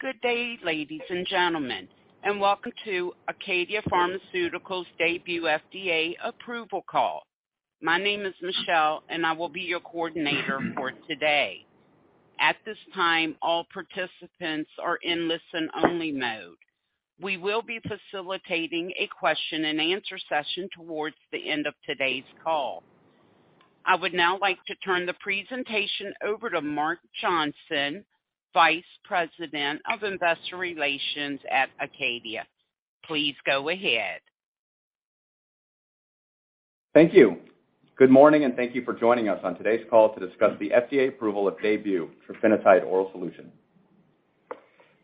Good day, ladies and gentlemen, welcome to ACADIA Pharmaceuticals DAYBUE FDA approval call. My name is Michelle, I will be your coordinator for today. At this time, all participants are in listen-only mode. We will be facilitating a question and answer session towards the end of today's call. I would now like to turn the presentation over to Mark Johnson, Vice President of Investor Relations at ACADIA. Please go ahead. Thank you. Good morning, thank you for joining us on today's call to discuss the FDA approval of DAYBUE trofinetide oral solution.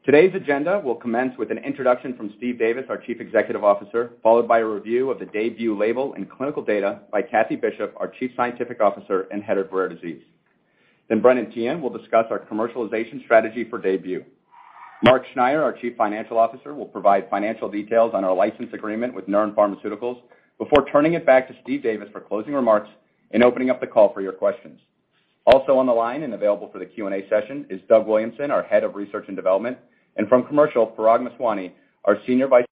Today's agenda will commence with an introduction from Steve Davis, our Chief Executive Officer, followed by a review of the DAYBUE label and clinical data by Kathie Bishop, our Chief Scientific Officer, and Head of Rare Disease. Brendan Teehan will discuss our commercialization strategy for DAYBUE. Mark Schneyer, our Chief Financial Officer, will provide financial details on our license agreement with Neuren Pharmaceuticals before turning it back to Steve Davis for closing remarks and opening up the call for your questions. Also on the line and available for the Q&A session is Doug Williamson, our Head of Research and Development, and from Commercial, Parag Meswani, our Senior Vice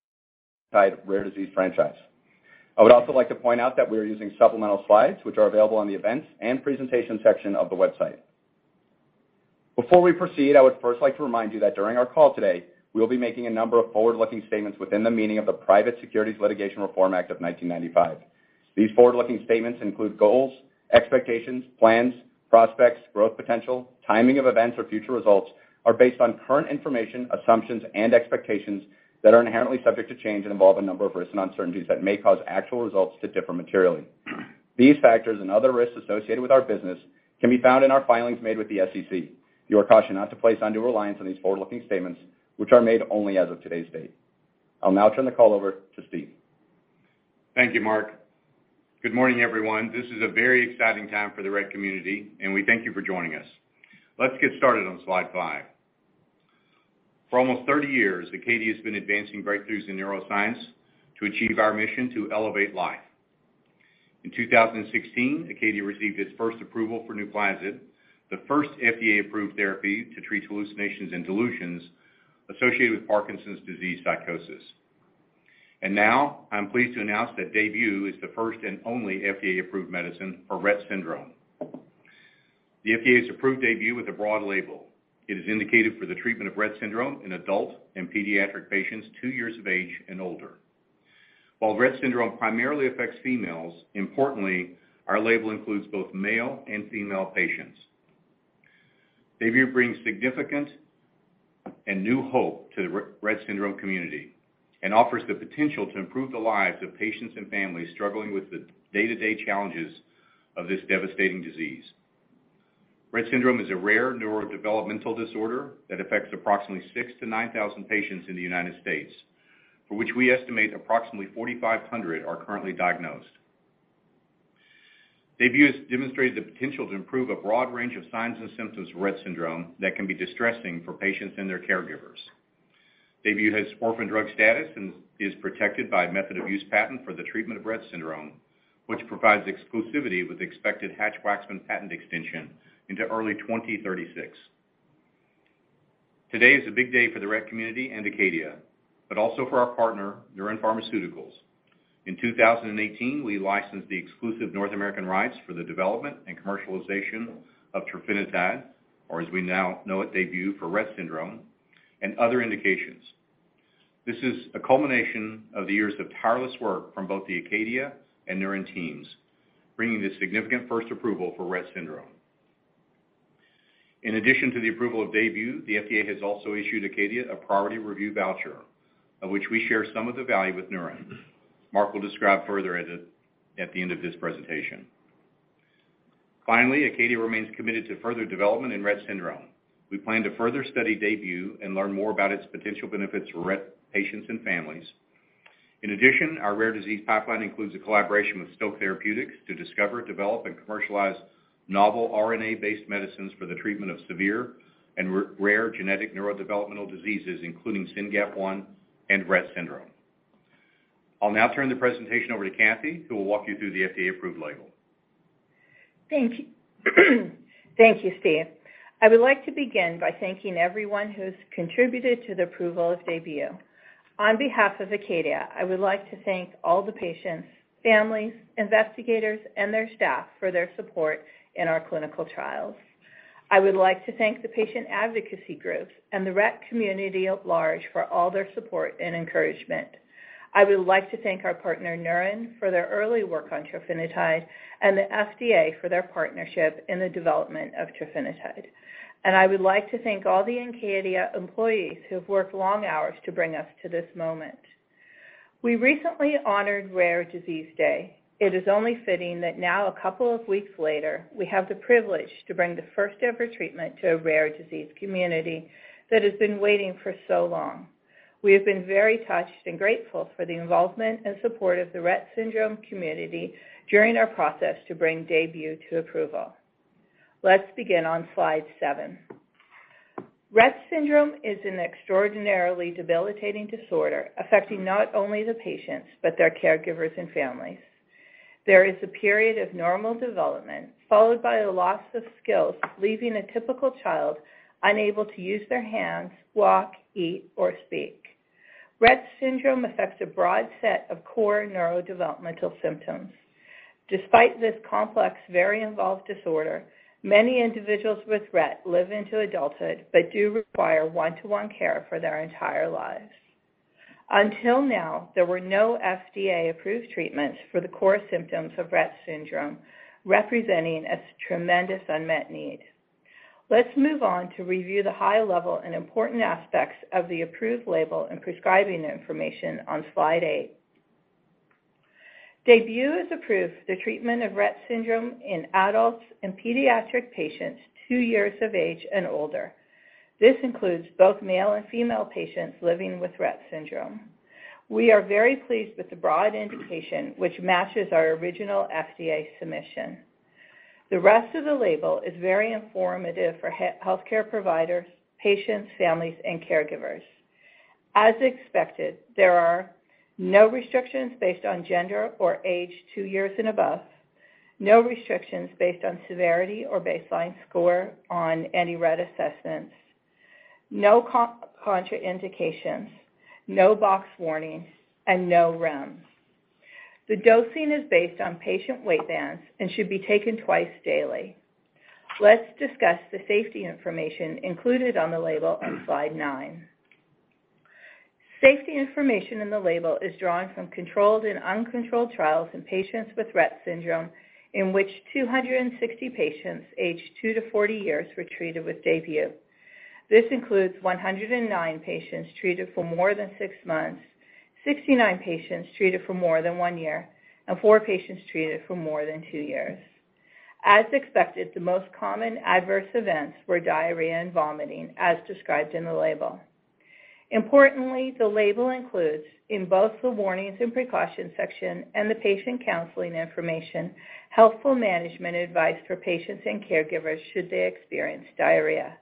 President, Rare Disease Franchise. I would also like to point out that we are using supplemental Slides, which are available on the events and presentation section of the website. Before we proceed, I would first like to remind you that during our call today, we'll be making a number of forward-looking statements within the meaning of the Private Securities Litigation Reform Act of 1995. These forward-looking statements include goals, expectations, plans, prospects, growth, potential timing of events, or future results are based on current information, assumptions, and expectations that are inherently subject to change and involve a number of risks and uncertainties that may cause actual results to differ materially. These factors and other risks associated with our business can be found in our filings made with the SEC. You are cautioned not to place undue reliance on these forward-looking statements which are made only as of today's date. I'll now turn the call over to Steve. Thank you, Mark. Good morning, everyone. This is a very exciting time for the Rett community, and we thank you for joining us. Let's get started on Slide 5. For almost 30 years, ACADIA has been advancing breakthroughs in neuroscience to achieve our mission to elevate life. In 2016, ACADIA received its first approval for NUPLAZID, the first FDA-approved therapy to treat hallucinations and delusions associated with Parkinson's disease psychosis. Now I'm pleased to announce that DAYBUE is the first and only FDA-approved medicine for Rett syndrome. The FDA has approved DAYBUE with a broad label. It is indicated for the treatment of Rett syndrome in adult and pediatric patients 2 years of age and older. While Rett syndrome primarily affects females, importantly, our label includes both male and female patients. DAYBUE brings significant and new hope to the Rett syndrome community and offers the potential to improve the lives of patients and families struggling with the day-to-day challenges of this devastating disease. Rett syndrome is a rare neurodevelopmental disorder that affects approximately 6,000-9,000 patients in the United States, for which we estimate approximately 4,500 are currently diagnosed. DAYBUE has demonstrated the potential to improve a broad range of signs and symptoms of Rett syndrome that can be distressing for patients and their caregivers. DAYBUE has orphan drug status and is protected by a method of use patent for the treatment of Rett syndrome, which provides exclusivity with expected Hatch-Waxman patent extension into early 2036. Today is a big day for the Rett community and ACADIA, but also for our partner, Neuren Pharmaceuticals. In 2018, we licensed the exclusive North American rights for the development and commercialization of trofinetide, or as we now know it, DAYBUE for Rett syndrome and other indications. This is a culmination of the years of tireless work from both the Acadia and Neuren teams, bringing this significant first approval for Rett syndrome. In addition to the approval of DAYBUE, the FDA has also issued Acadia a priority review voucher, of which we share some of the value with Neuren. Mark will describe further at the end of this presentation. Finally, Acadia remains committed to further development in Rett syndrome. We plan to further study DAYBUE and learn more about its potential benefits for Rett patients and families. In addition, our rare disease pipeline includes a collaboration with Stoke Therapeutics to discover, develop, and commercialize novel RNA-based medicines for the treatment of severe and rare genetic neurodevelopmental diseases, including SYNGAP1 and Rett syndrome. I'll now turn the presentation over to Kathie, who will walk you through the FDA-approved label. Thank you. Thank you, Steve. I would like to begin by thanking everyone who has contributed to the approval of DAYBUE. On behalf of ACADIA, I would like to thank all the patients, families, investigators, and their staff for their support in our clinical trials. I would like to thank the patient advocacy groups and the Rett community at large for all their support and encouragement. I would like to thank our partner, Neuren, for their early work on trofinetide and the FDA for their partnership in the development of trofinetide. I would like to thank all the ACADIA employees who have worked long hours to bring us to this moment. We recently honored Rare Disease Day. It is only fitting that now, a couple of weeks later, we have the privilege to bring the first-ever treatment to a rare disease community that has been waiting for so long. We have been very touched and grateful for the involvement and support of the Rett syndrome community during our process to bring DAYBUE to approval. Let's begin on Slide 7. Rett syndrome is an extraordinarily debilitating disorder affecting not only the patients, but their caregivers and families. There is a period of normal development followed by a loss of skills, leaving a typical child unable to use their hands, walk, eat, or speak. Rett syndrome affects a broad set of core neurodevelopmental symptoms. Despite this complex, very involved disorder, many individuals with Rett live into adulthood, but do require one-to-one care for their entire lives. Until now, there were no FDA-approved treatments for the core symptoms of Rett syndrome, representing a tremendous unmet need. Let's move on to review the high level and important aspects of the approved label and prescribing information on Slide 8. DAYBUE is approved for the treatment of Rett syndrome in adults and pediatric patients two years of age and older. This includes both male and female patients living with Rett syndrome. We are very pleased with the broad indication which matches our original FDA submission. The rest of the label is very informative for healthcare providers, patients, families, and caregivers. As expected, there are no restrictions based on gender or age two years and above, no restrictions based on severity or baseline score on any Rett assessments, no contraindications, no box warning, and no REMS. The dosing is based on patient weight bands and should be taken twice daily. Let's discuss the safety information included on the label on Slide 9. Safety information in the label is drawn from controlled and uncontrolled trials in patients with Rett syndrome, in which 260 patients aged 2-40 years were treated with DAYBUE. This includes 109 patients treated for more than 6 months, 69 patients treated for more than 1 year, and 4 patients treated for more than 2 years. As expected, the most common adverse events were diarrhea and vomiting, as described in the label. Importantly, the label includes, in both the warnings and precautions section and the patient counseling information, helpful management advice for patients and caregivers should they experience diarrhea.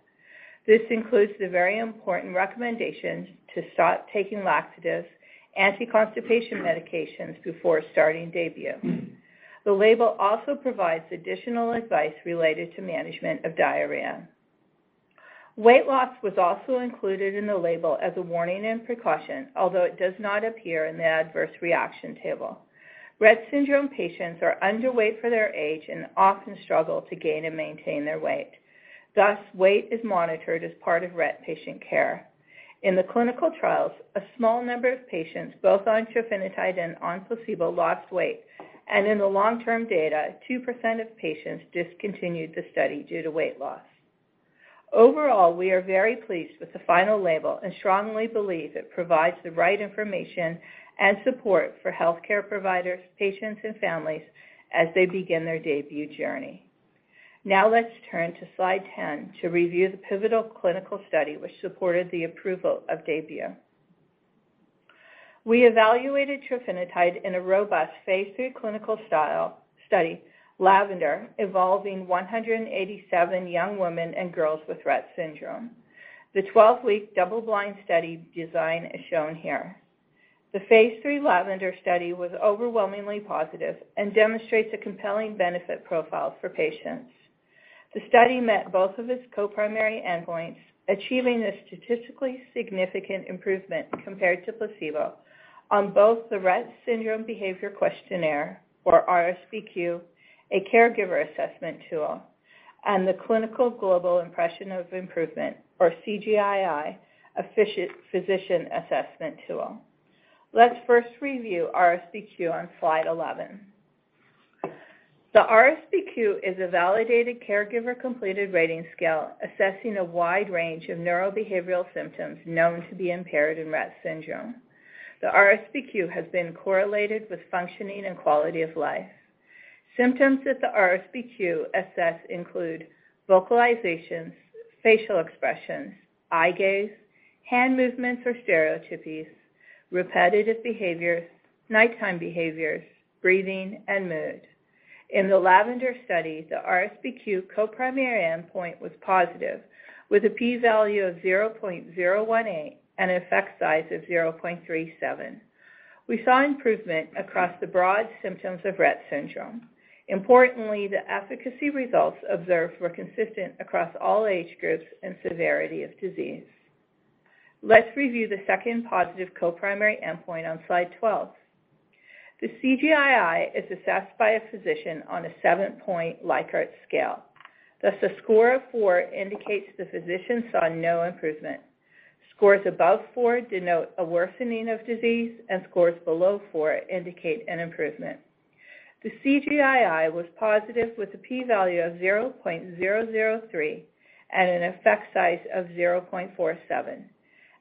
This includes the very important recommendation to stop taking laxatives, anti-constipation medications before starting DAYBUE. The label also provides additional advice related to management of diarrhea. Weight loss was also included in the label as a warning and precaution, although it does not appear in the adverse reaction table. Rett syndrome patients are underweight for their age and often struggle to gain and maintain their weight. Thus, weight is monitored as part of Rett patient care. In the clinical trials, a small number of patients, both on trofinetide and on placebo, lost weight. In the long-term data, 2% of patients discontinued the study due to weight loss. Overall, we are very pleased with the final label and strongly believe it provides the right information and support for healthcare providers, patients, and families as they begin their DAYBUE journey. Let's turn to Slide 10 to review the pivotal clinical study which supported the approval of DAYBUE. We evaluated trofinetide in a robust Phase 3 clinical study, LAVENDER, involving 187 young women and girls with Rett syndrome. The 12-week double-blind study design is shown here. The Phase 3 LAVENDER study was overwhelmingly positive and demonstrates a compelling benefit profile for patients. The study met both of its co-primary endpoints, achieving a statistically significant improvement compared to placebo on both the Rett Syndrome Behaviour Questionnaire, or RSBQ, a caregiver assessment tool, and the Clinical Global Impression of Improvement, or CGI-I, physician assessment tool. Let's first review RSBQ on Slide 11. The RSBQ is a validated caregiver-completed rating scale assessing a wide range of neurobehavioral symptoms known to be impaired in Rett syndrome. The RSBQ has been correlated with functioning and quality of life. Symptoms that the RSBQ assess include vocalizations, facial expressions, eye gaze, hand movements or stereotypies, repetitive behaviors, nighttime behaviors, breathing, and mood. In the LAVENDER study, the RSBQ co-primary endpoint was positive, with a P-value of 0.018 and an effect size of 0.37. We saw improvement across the broad symptoms of Rett syndrome. Importantly, the efficacy results observed were consistent across all age groups and severity of disease. Let's review the second positive co-primary endpoint on Slide 12. The CGI-I is assessed by a physician on a 7-point Likert scale. Thus, a score of 4 indicates the physician saw no improvement. Scores above 4 denote a worsening of disease, and scores below 4 indicate an improvement. The CGI-I was positive with a P-value of 0.003 and an effect size of 0.47.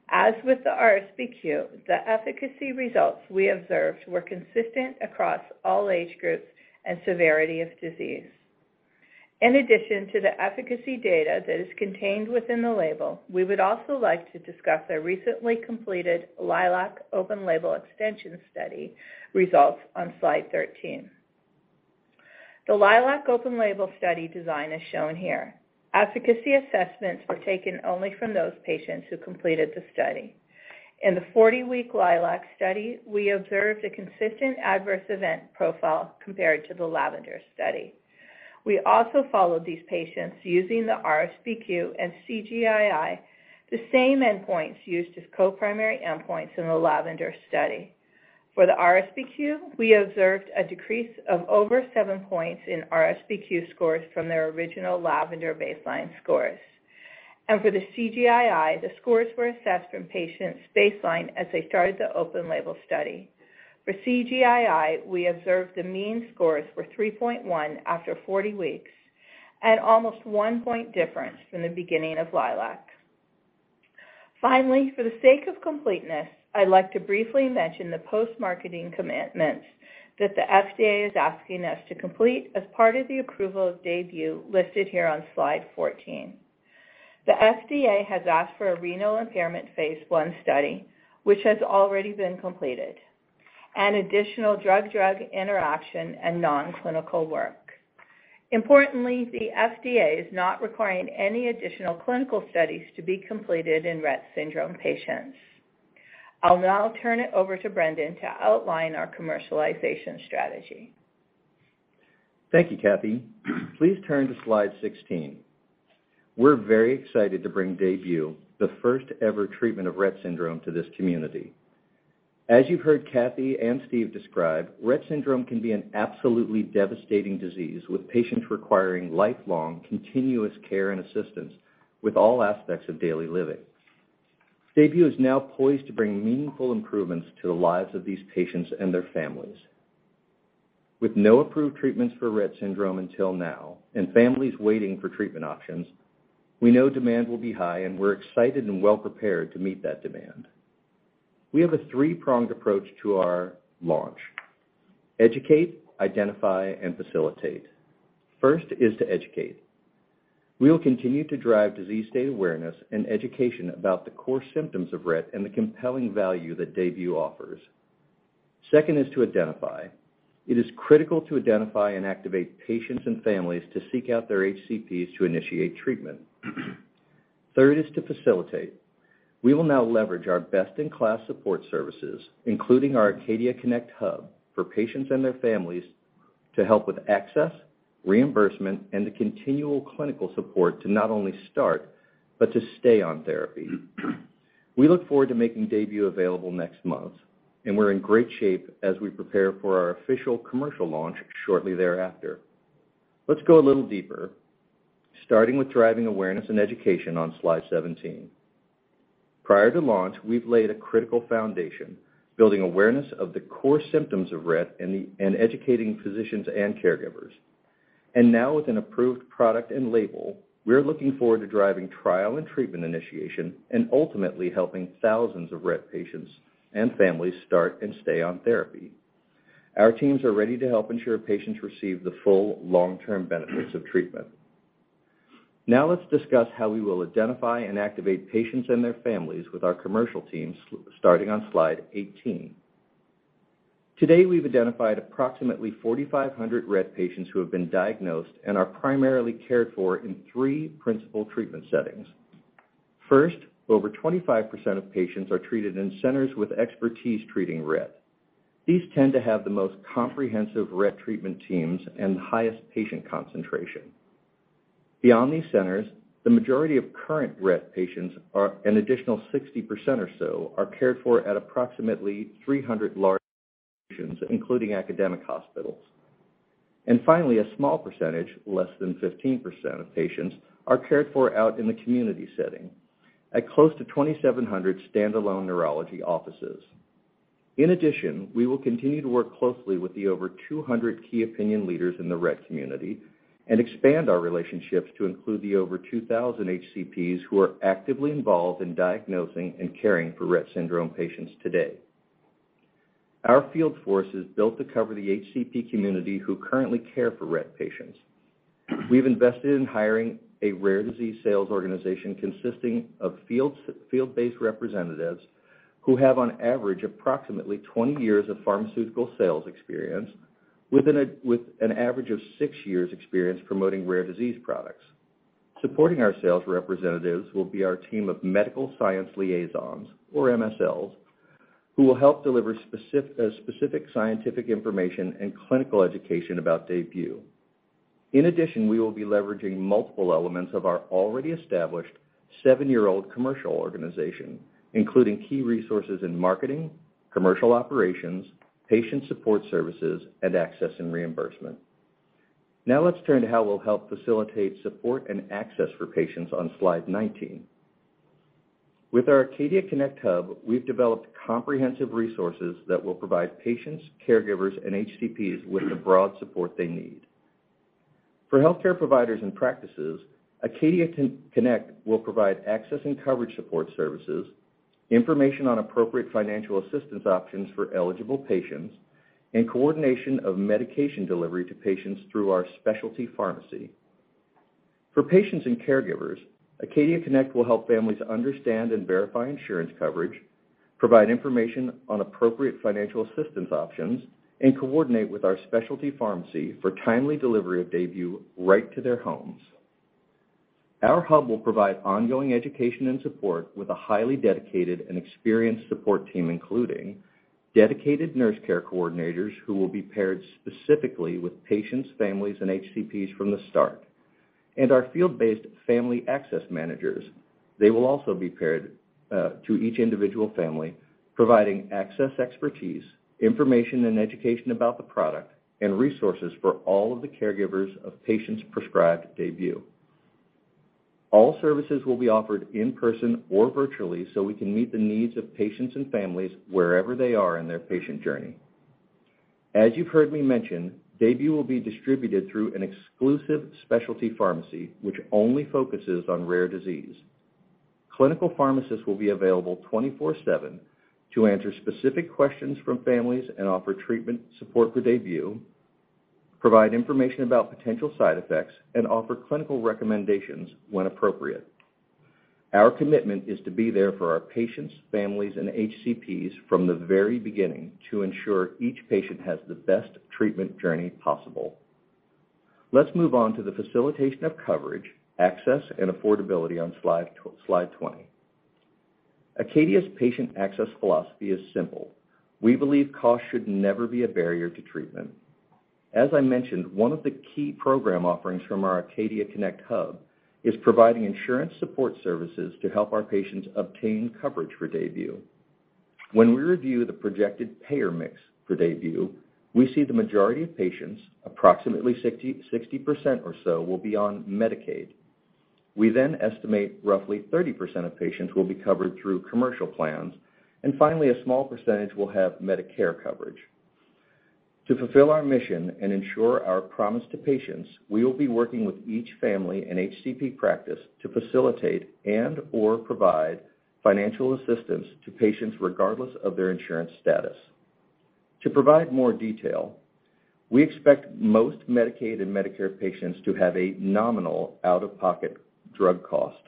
As with the RSBQ, the efficacy results we observed were consistent across all age groups and severity of disease. To the efficacy data that is contained within the label, we would also like to discuss our recently completed LILAC open-label extension study results on Slide 13. The LILAC open-label study design is shown here. Efficacy assessments were taken only from those patients who completed the study. In the 40-week LILAC study, we observed a consistent adverse event profile compared to the LAVENDER study. We also followed these patients using the RSBQ and CGI-I, the same endpoints used as co-primary endpoints in the LAVENDER study. For the RSBQ, we observed a decrease of over 7 points in RSBQ scores from their original LAVENDER baseline scores. For the CGI-I, the scores were assessed from patients' baseline as they started the open-label study. For CGI-I, we observed the mean scores were 3.1 after 40 weeks and almost 1 point difference from the beginning of LILAC. Finally, for the sake of completeness, I'd like to briefly mention the post-marketing commitments that the FDA is asking us to complete as part of the approval of DAYBUE listed here on Slide 14. The FDA has asked for a renal impairment Phase 1 study, which has already been completed, and additional drug-drug interaction and non-clinical work. Importantly, the FDA is not requiring any additional clinical studies to be completed in Rett syndrome patients. I'll now turn it over to Brendan Teehan to outline our commercialization strategy. Thank you, Kathie. Please turn to Slide 16. We're very excited to bring DAYBUE, the first-ever treatment of Rett syndrome, to this community. As you heard Kathie and Steve describe, Rett syndrome can be an absolutely devastating disease, with patients requiring lifelong, continuous care and assistance with all aspects of daily living. DAYBUE is now poised to bring meaningful improvements to the lives of these patients and their families. With no approved treatments for Rett syndrome until now, and families waiting for treatment options, we know demand will be high, and we're excited and well-prepared to meet that demand. We have a three-pronged approach to our launch: educate, identify, and facilitate. First is to educate. We will continue to drive disease state awareness and education about the core symptoms of Rett and the compelling value that DAYBUE offers. Second is to identify. It is critical to identify and activate patients and families to seek out their HCPs to initiate treatment. Third is to facilitate. We will now leverage our best-in-class support services, including our Acadia Connect Hub, for patients and their families to help with access, reimbursement, and the continual clinical support to not only start but to stay on therapy. We look forward to making DAYBUE available next month, we're in great shape as we prepare for our official commercial launch shortly thereafter. Let's go a little deeper, starting with driving awareness and education on Slide 17. Prior to launch, we've laid a critical foundation, building awareness of the core symptoms of Rett and educating physicians and caregivers. Now with an approved product and label, we're looking forward to driving trial and treatment initiation and ultimately helping thousands of Rett patients and families start and stay on therapy. Our teams are ready to help ensure patients receive the full long-term benefits of treatment. Now let's discuss how we will identify and activate patients and their families with our commercial teams, starting on Slide 18. Today, we've identified approximately 4,500 Rett patients who have been diagnosed and are primarily cared for in three principal treatment settings. First, over 25% of patients are treated in centers with expertise treating Rett. These tend to have the most comprehensive Rett treatment teams and the highest patient concentration. Beyond these centers, the majority of current Rett patients, an additional 60% or so, are cared for at approximately 300 large institutions, including academic hospitals. Finally, a small percentage, less than 15% of patients, are cared for out in the community setting at close to 2,700 standalone neurology offices. In addition, we will continue to work closely with the over 200 key opinion leaders in the Rett community and expand our relationships to include the over 2,000 HCPs who are actively involved in diagnosing and caring for Rett syndrome patients today. Our field force is built to cover the HCP community who currently care for Rett patients. We've invested in hiring a rare disease sales organization consisting of field-based representatives who have, on average, approximately 20 years of pharmaceutical sales experience with an average of six years experience promoting rare disease products. Supporting our sales representatives will be our team of medical science liaisons, or MSLs, who will help deliver specific scientific information and clinical education about DAYBUE. In addition, we will be leveraging multiple elements of our already established seven-year-old commercial organization, including key resources in marketing, commercial operations, patient support services, and access and reimbursement. Let's turn to how we'll help facilitate support and access for patients on Slide 19. With our Acadia Connect hub, we've developed comprehensive resources that will provide patients, caregivers, and HCPs with the broad support they need. For healthcare providers and practices, Acadia Connect will provide access and coverage support services, information on appropriate financial assistance options for eligible patients, and coordination of medication delivery to patients through our specialty pharmacy. For patients and caregivers, Acadia Connect will help families understand and verify insurance coverage, provide information on appropriate financial assistance options, and coordinate with our specialty pharmacy for timely delivery of DAYBUE right to their homes. Our hub will provide ongoing education and support with a highly dedicated and experienced support team, including dedicated nurse care coordinators who will be paired specifically with patients, families, and HCPs from the start, and our field-based family access managers. They will also be paired to each individual family, providing access expertise, information and education about the product, and resources for all of the caregivers of patients prescribed DAYBUE. All services will be offered in person or virtually so we can meet the needs of patients and families wherever they are in their patient journey. As you've heard me mention, DAYBUE will be distributed through an exclusive specialty pharmacy which only focuses on rare disease. Clinical pharmacists will be available 24/7 to answer specific questions from families and offer treatment support for DAYBUE, provide information about potential side effects, and offer clinical recommendations when appropriate. Our commitment is to be there for our patients, families, and HCPs from the very beginning to ensure each patient has the best treatment journey possible. Let's move on to the facilitation of coverage, access, and affordability on Slide 20. ACADIA's patient access philosophy is simple. We believe cost should never be a barrier to treatment. As I mentioned, one of the key program offerings from our Acadia Connect hub is providing insurance support services to help our patients obtain coverage for DAYBUE. When we review the projected payer mix for DAYBUE, we see the majority of patients, approximately 60% or so, will be on Medicaid. We estimate roughly 30% of patients will be covered through commercial plans. Finally, a small percentage will have Medicare coverage. To fulfill our mission and ensure our promise to patients, we will be working with each family and HCP practice to facilitate and/or provide financial assistance to patients regardless of their insurance status. To provide more detail, we expect most Medicaid and Medicare patients to have a nominal out-of-pocket drug cost.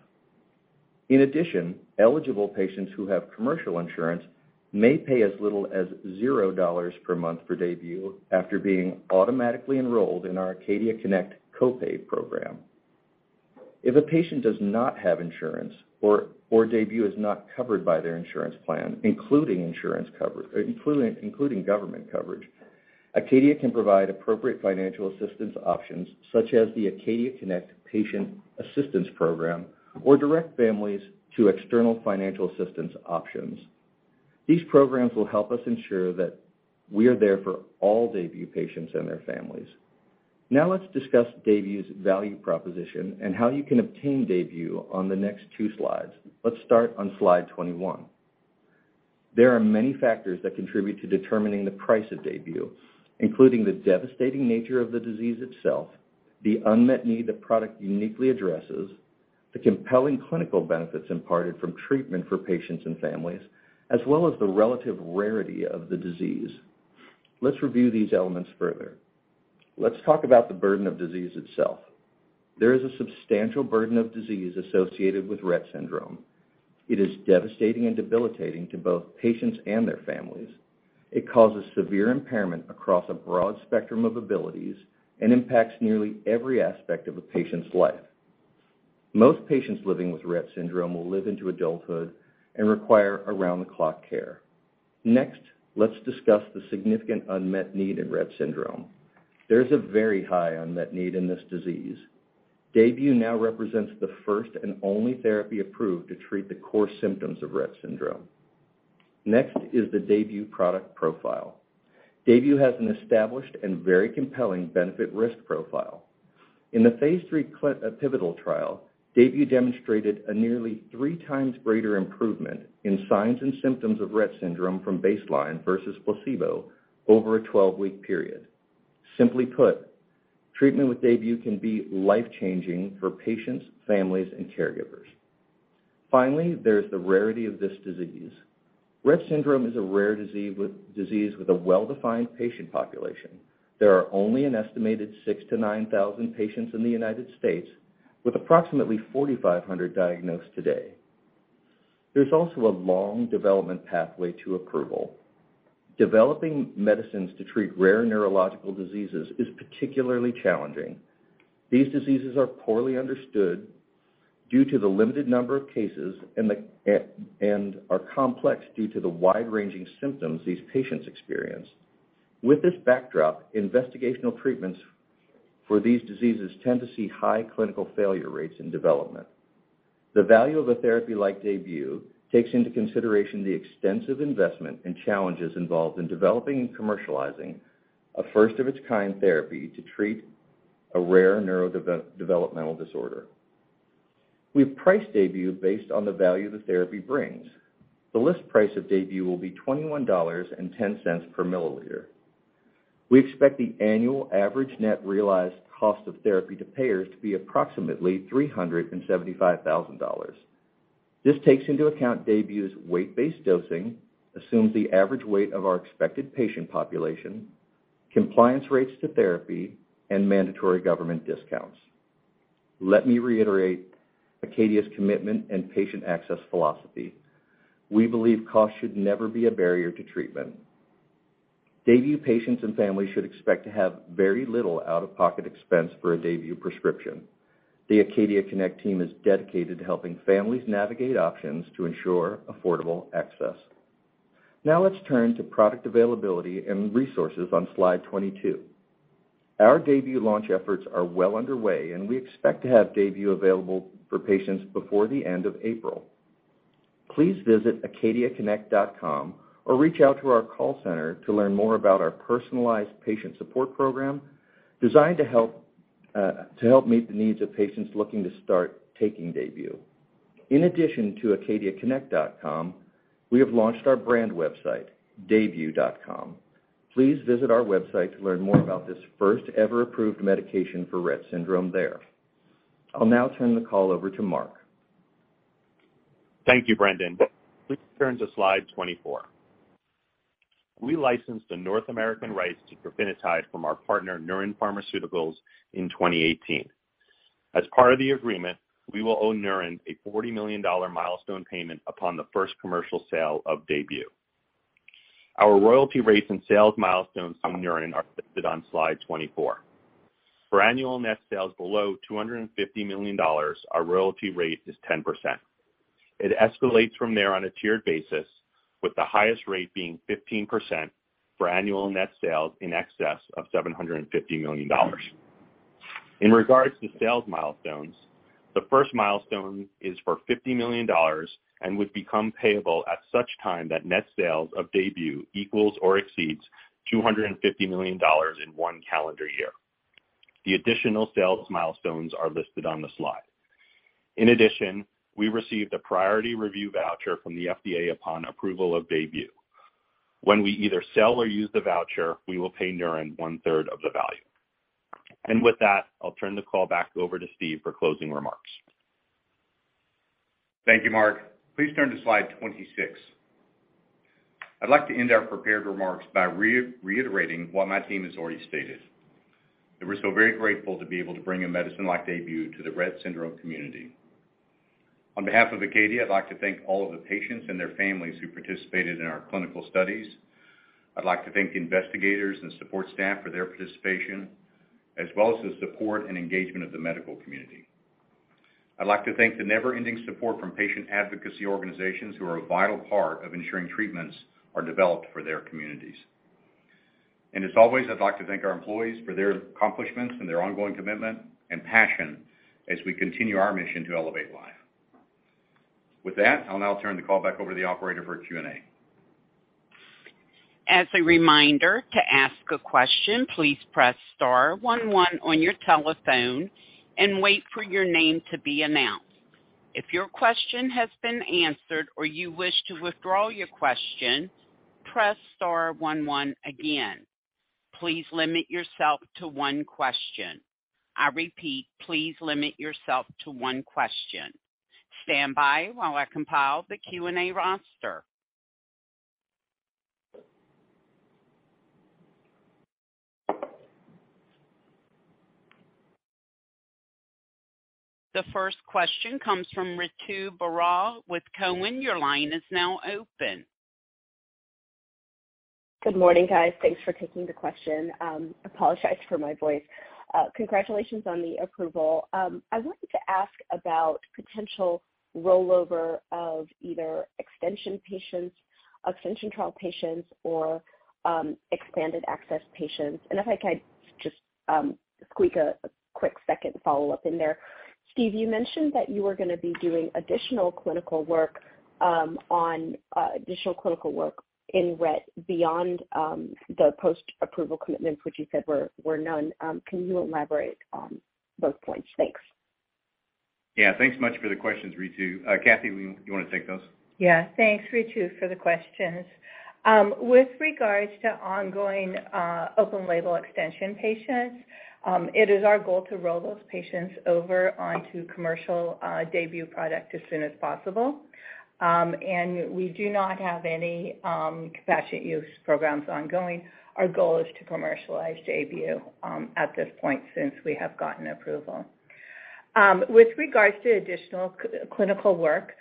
Eligible patients who have commercial insurance may pay as little as $0 per month for DAYBUE after being automatically enrolled in our Acadia Connect Commercial Copay Program. If a patient does not have insurance or DAYBUE is not covered by their insurance plan, including government coverage, ACADIA can provide appropriate financial assistance options such as the Acadia Connect Patient Assistance Program or direct families to external financial assistance options. These programs will help us ensure that we're there for all DAYBUE patients and their families. Let's discuss DAYBUE's value proposition and how you can obtain DAYBUE on the next two slides. Let's start on Slide 21. There are many factors that contribute to determining the price of DAYBUE, including the devastating nature of the disease itself, the unmet need the product uniquely addresses, the compelling clinical benefits imparted from treatment for patients and families, as well as the relative rarity of the disease. Let's review these elements further. Let's talk about the burden of disease itself. There is a substantial burden of disease associated with Rett syndrome. It is devastating and debilitating to both patients and their families. It causes severe impairment across a broad spectrum of abilities and impacts nearly every aspect of a patient's life. Most patients living with Rett syndrome will live into adulthood and require around-the-clock care. Next, let's discuss the significant unmet need in Rett syndrome. There's a very high unmet need in this disease. DAYBUE now represents the first and only therapy approved to treat the core symptoms of Rett syndrome. Next is the DAYBUE product profile. DAYBUE has an established and very compelling benefit risk profile. In the Phase 3 pivotal trial, DAYBUE demonstrated a nearly 3x greater improvement in signs and symptoms of Rett syndrome from baseline versus placebo over a 12-week period. Simply put, treatment with DAYBUE can be life-changing for patients, families, and caregivers. Finally, there's the rarity of this disease. Rett syndrome is a rare disease with a well-defined patient population. There are only an estimated 6,000 to 9,000 patients in the United States, with approximately 4,500 diagnosed today. There's also a long development pathway to approval. Developing medicines to treat rare neurological diseases is particularly challenging. These diseases are poorly understood due to the limited number of cases and are complex due to the wide-ranging symptoms these patients experience. With this backdrop, investigational treatments for these diseases tend to see high clinical failure rates in development. The value of a therapy like DAYBUE takes into consideration the extensive investment and challenges involved in developing and commercializing a first-of-its-kind therapy to treat a rare neurodevelopmental disorder. We've priced DAYBUE based on the value the therapy brings. The list price of DAYBUE will be $21.10 per milliliter. We expect the annual average net realized cost of therapy to payers to be approximately $375,000. This takes into account DAYBUE's weight-based dosing, assumes the average weight of our expected patient population, compliance rates to therapy, and mandatory government discounts. Let me reiterate ACADIA's commitment and patient access philosophy. We believe cost should never be a barrier to treatment. DAYBUE patients and families should expect to have very little out-of-pocket expense for a DAYBUE prescription. The Acadia Connect team is dedicated to helping families navigate options to ensure affordable access. Let's turn to product availability and resources on Slide 22. Our DAYBUE launch efforts are well underway. We expect to have DAYBUE available for patients before the end of April. Please visit acadiaconnect.com or reach out to our call center to learn more about our personalized patient support program designed to help meet the needs of patients looking to start taking DAYBUE. In addition to acadiaconnect.com, we have launched our brand website, daybue.com. Please visit our website to learn more about this first-ever approved medication for Rett syndrome there. I'll now turn the call over to Mark. Thank you, Brendan. Please turn to Slide 24. We licensed the North American rights to trofinetide from our partner Neuren Pharmaceuticals in 2018. As part of the agreement, we will owe Neuren a $40 million milestone payment upon the first commercial sale of DAYBUE. Our royalty rates and sales milestones from Neuren are listed on Slide 24. For annual net sales below $250 million, our royalty rate is 10%. It escalates from there on a tiered basis, with the highest rate being 15% for annual net sales in excess of $750 million. In regards to sales milestones, the first milestone is for $50 million and would become payable at such time that net sales of DAYBUE equals or exceeds $250 million in one calendar year. The additional sales milestones are listed on the slide. In addition, we received a priority review voucher from the FDA upon approval of DAYBUE. When we either sell or use the voucher, we will pay Neuren one-third of the value. With that, I'll turn the call back over to Steve for closing remarks. Thank you, Mark. Please turn to Slide 26. I'd like to end our prepared remarks by reiterating what my team has already stated, that we're so very grateful to be able to bring a medicine like DAYBUE to the Rett syndrome community. On behalf of ACADIA, I'd like to thank all of the patients and their families who participated in our clinical studies. I'd like to thank the investigators and support staff for their participation, as well as the support and engagement of the medical community. I'd like to thank the never-ending support from patient advocacy organizations who are a vital part of ensuring treatments are developed for their communities. As always, I'd like to thank our employees for their accomplishments and their ongoing commitment and passion as we continue our mission to elevate life. With that, I'll now turn the call back over to the operator for Q&A. As a reminder, to ask a question, please press star one one on your telephone and wait for your name to be announced. If your question has been answered or you wish to withdraw your question, press star one one again. Please limit yourself to one question. I repeat, please limit yourself to one question. Stand by while I compile the Q&A roster. The first question comes from Ritu Baral with Cowen. Your line is now open. Good morning, guys. Thanks for taking the question. Apologize for my voice. Congratulations on the approval. I wanted to ask about potential rollover of either extension trial patients or expanded access patients. If I can just squeak a quick second follow-up in there. Steve, you mentioned that you were gonna be doing additional clinical work in Rett syndrome beyond the post-approval commitments, which you said were none. Can you elaborate on those points? Thanks. Yeah. Thanks much for the questions, Ritu. Kathie, you wanna take those? Yeah. Thanks, Ritu, for the questions. With regards to ongoing open-label extension patients, it is our goal to roll those patients over onto commercial DAYBUE product as soon as possible. We do not have any compassionate use programs ongoing. Our goal is to commercialize DAYBUE at this point since we have gotten approval. With regards to additional clinical work,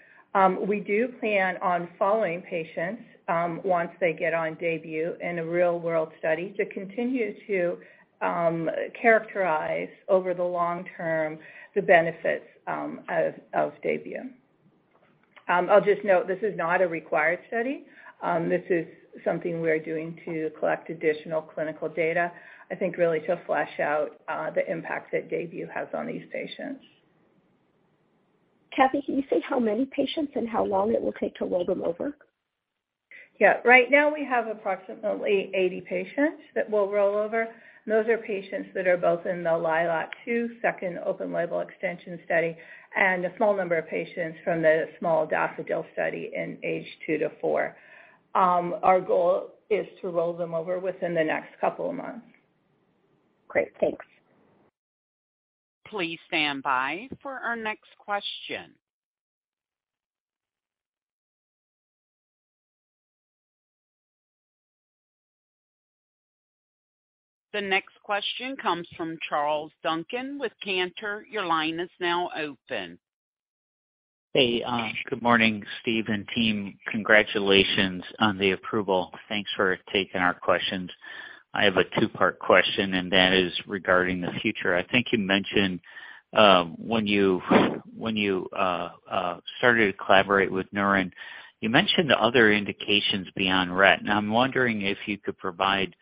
we do plan on following patients once they get on DAYBUE in a real-world study to continue to characterize over the long term the benefits of DAYBUE. I'll just note this is not a required study. This is something we are doing to collect additional clinical data, I think really to flesh out the impact that DAYBUE has on these patients. Kathie, can you say how many patients and how long it will take to roll them over? Yeah. Right now we have approximately 80 patients that we'll roll over, and those are patients that are both in the LILAC-2 second open-label extension study and a small number of patients from the small DAFFODIL study in age two to four. Our goal is to roll them over within the next couple of months. Great. Thanks. Please stand by for our next question. The next question comes from Charles Duncan with Cantor. Your line is now open. Hey, good morning, Steve and team. Congratulations on the approval. Thanks for taking our questions. I have a two-part question, and that is regarding the future. I think you mentioned when you started to collaborate with Neuren, you mentioned the other indications beyond Rett syndrome. Now I'm wondering if you could provide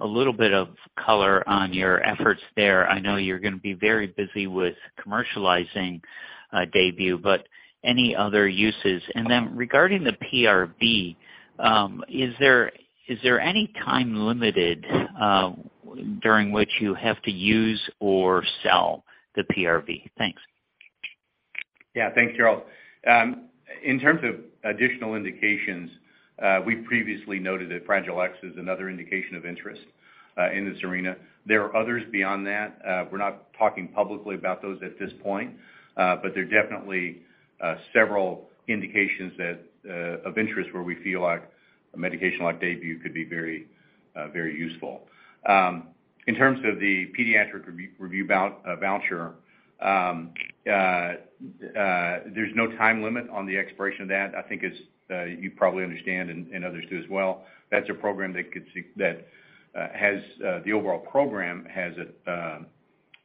a little bit of color on your efforts there. I know you're gonna be very busy with commercializing DAYBUE, but any other uses? Regarding the PRV, is there any time limited during which you have to use or sell the PRV? Thanks. Yeah. Thanks, Charles. In terms of additional indications, we previously noted that Fragile X is another indication of interest in this arena. There are others beyond that. We're not talking publicly about those at this point, but there are definitely several indications that of interest where we feel like a medication like DAYBUE could be very useful. In terms of the pediatric review voucher, there's no time limit on the expiration of that. I think as you probably understand and others do as well, that's a program that has the overall program has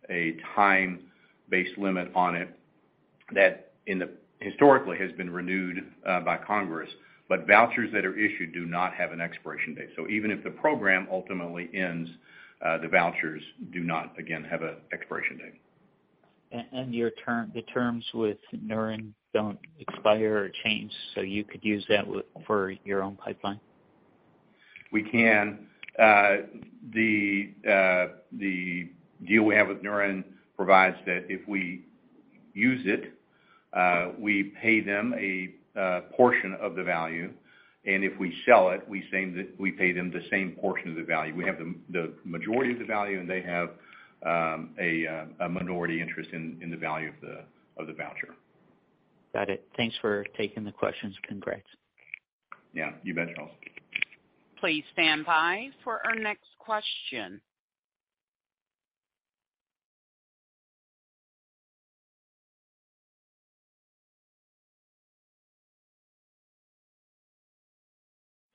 a time-based limit on it that historically has been renewed by Congress. Vouchers that are issued do not have an expiration date. Even if the program ultimately ends, the vouchers do not, again, have an expiration date. The terms with Neuren don't expire or change, so you could use that with, for your own pipeline? We can. The deal we have with Neuren provides that if we use it, we pay them a portion of the value, and if we sell it, we pay them the same portion of the value. We have the majority of the value, and they have a minority interest in the value of the voucher. Got it. Thanks for taking the questions. Congrats. Yeah, you bet, Charles. Please stand by for our next question.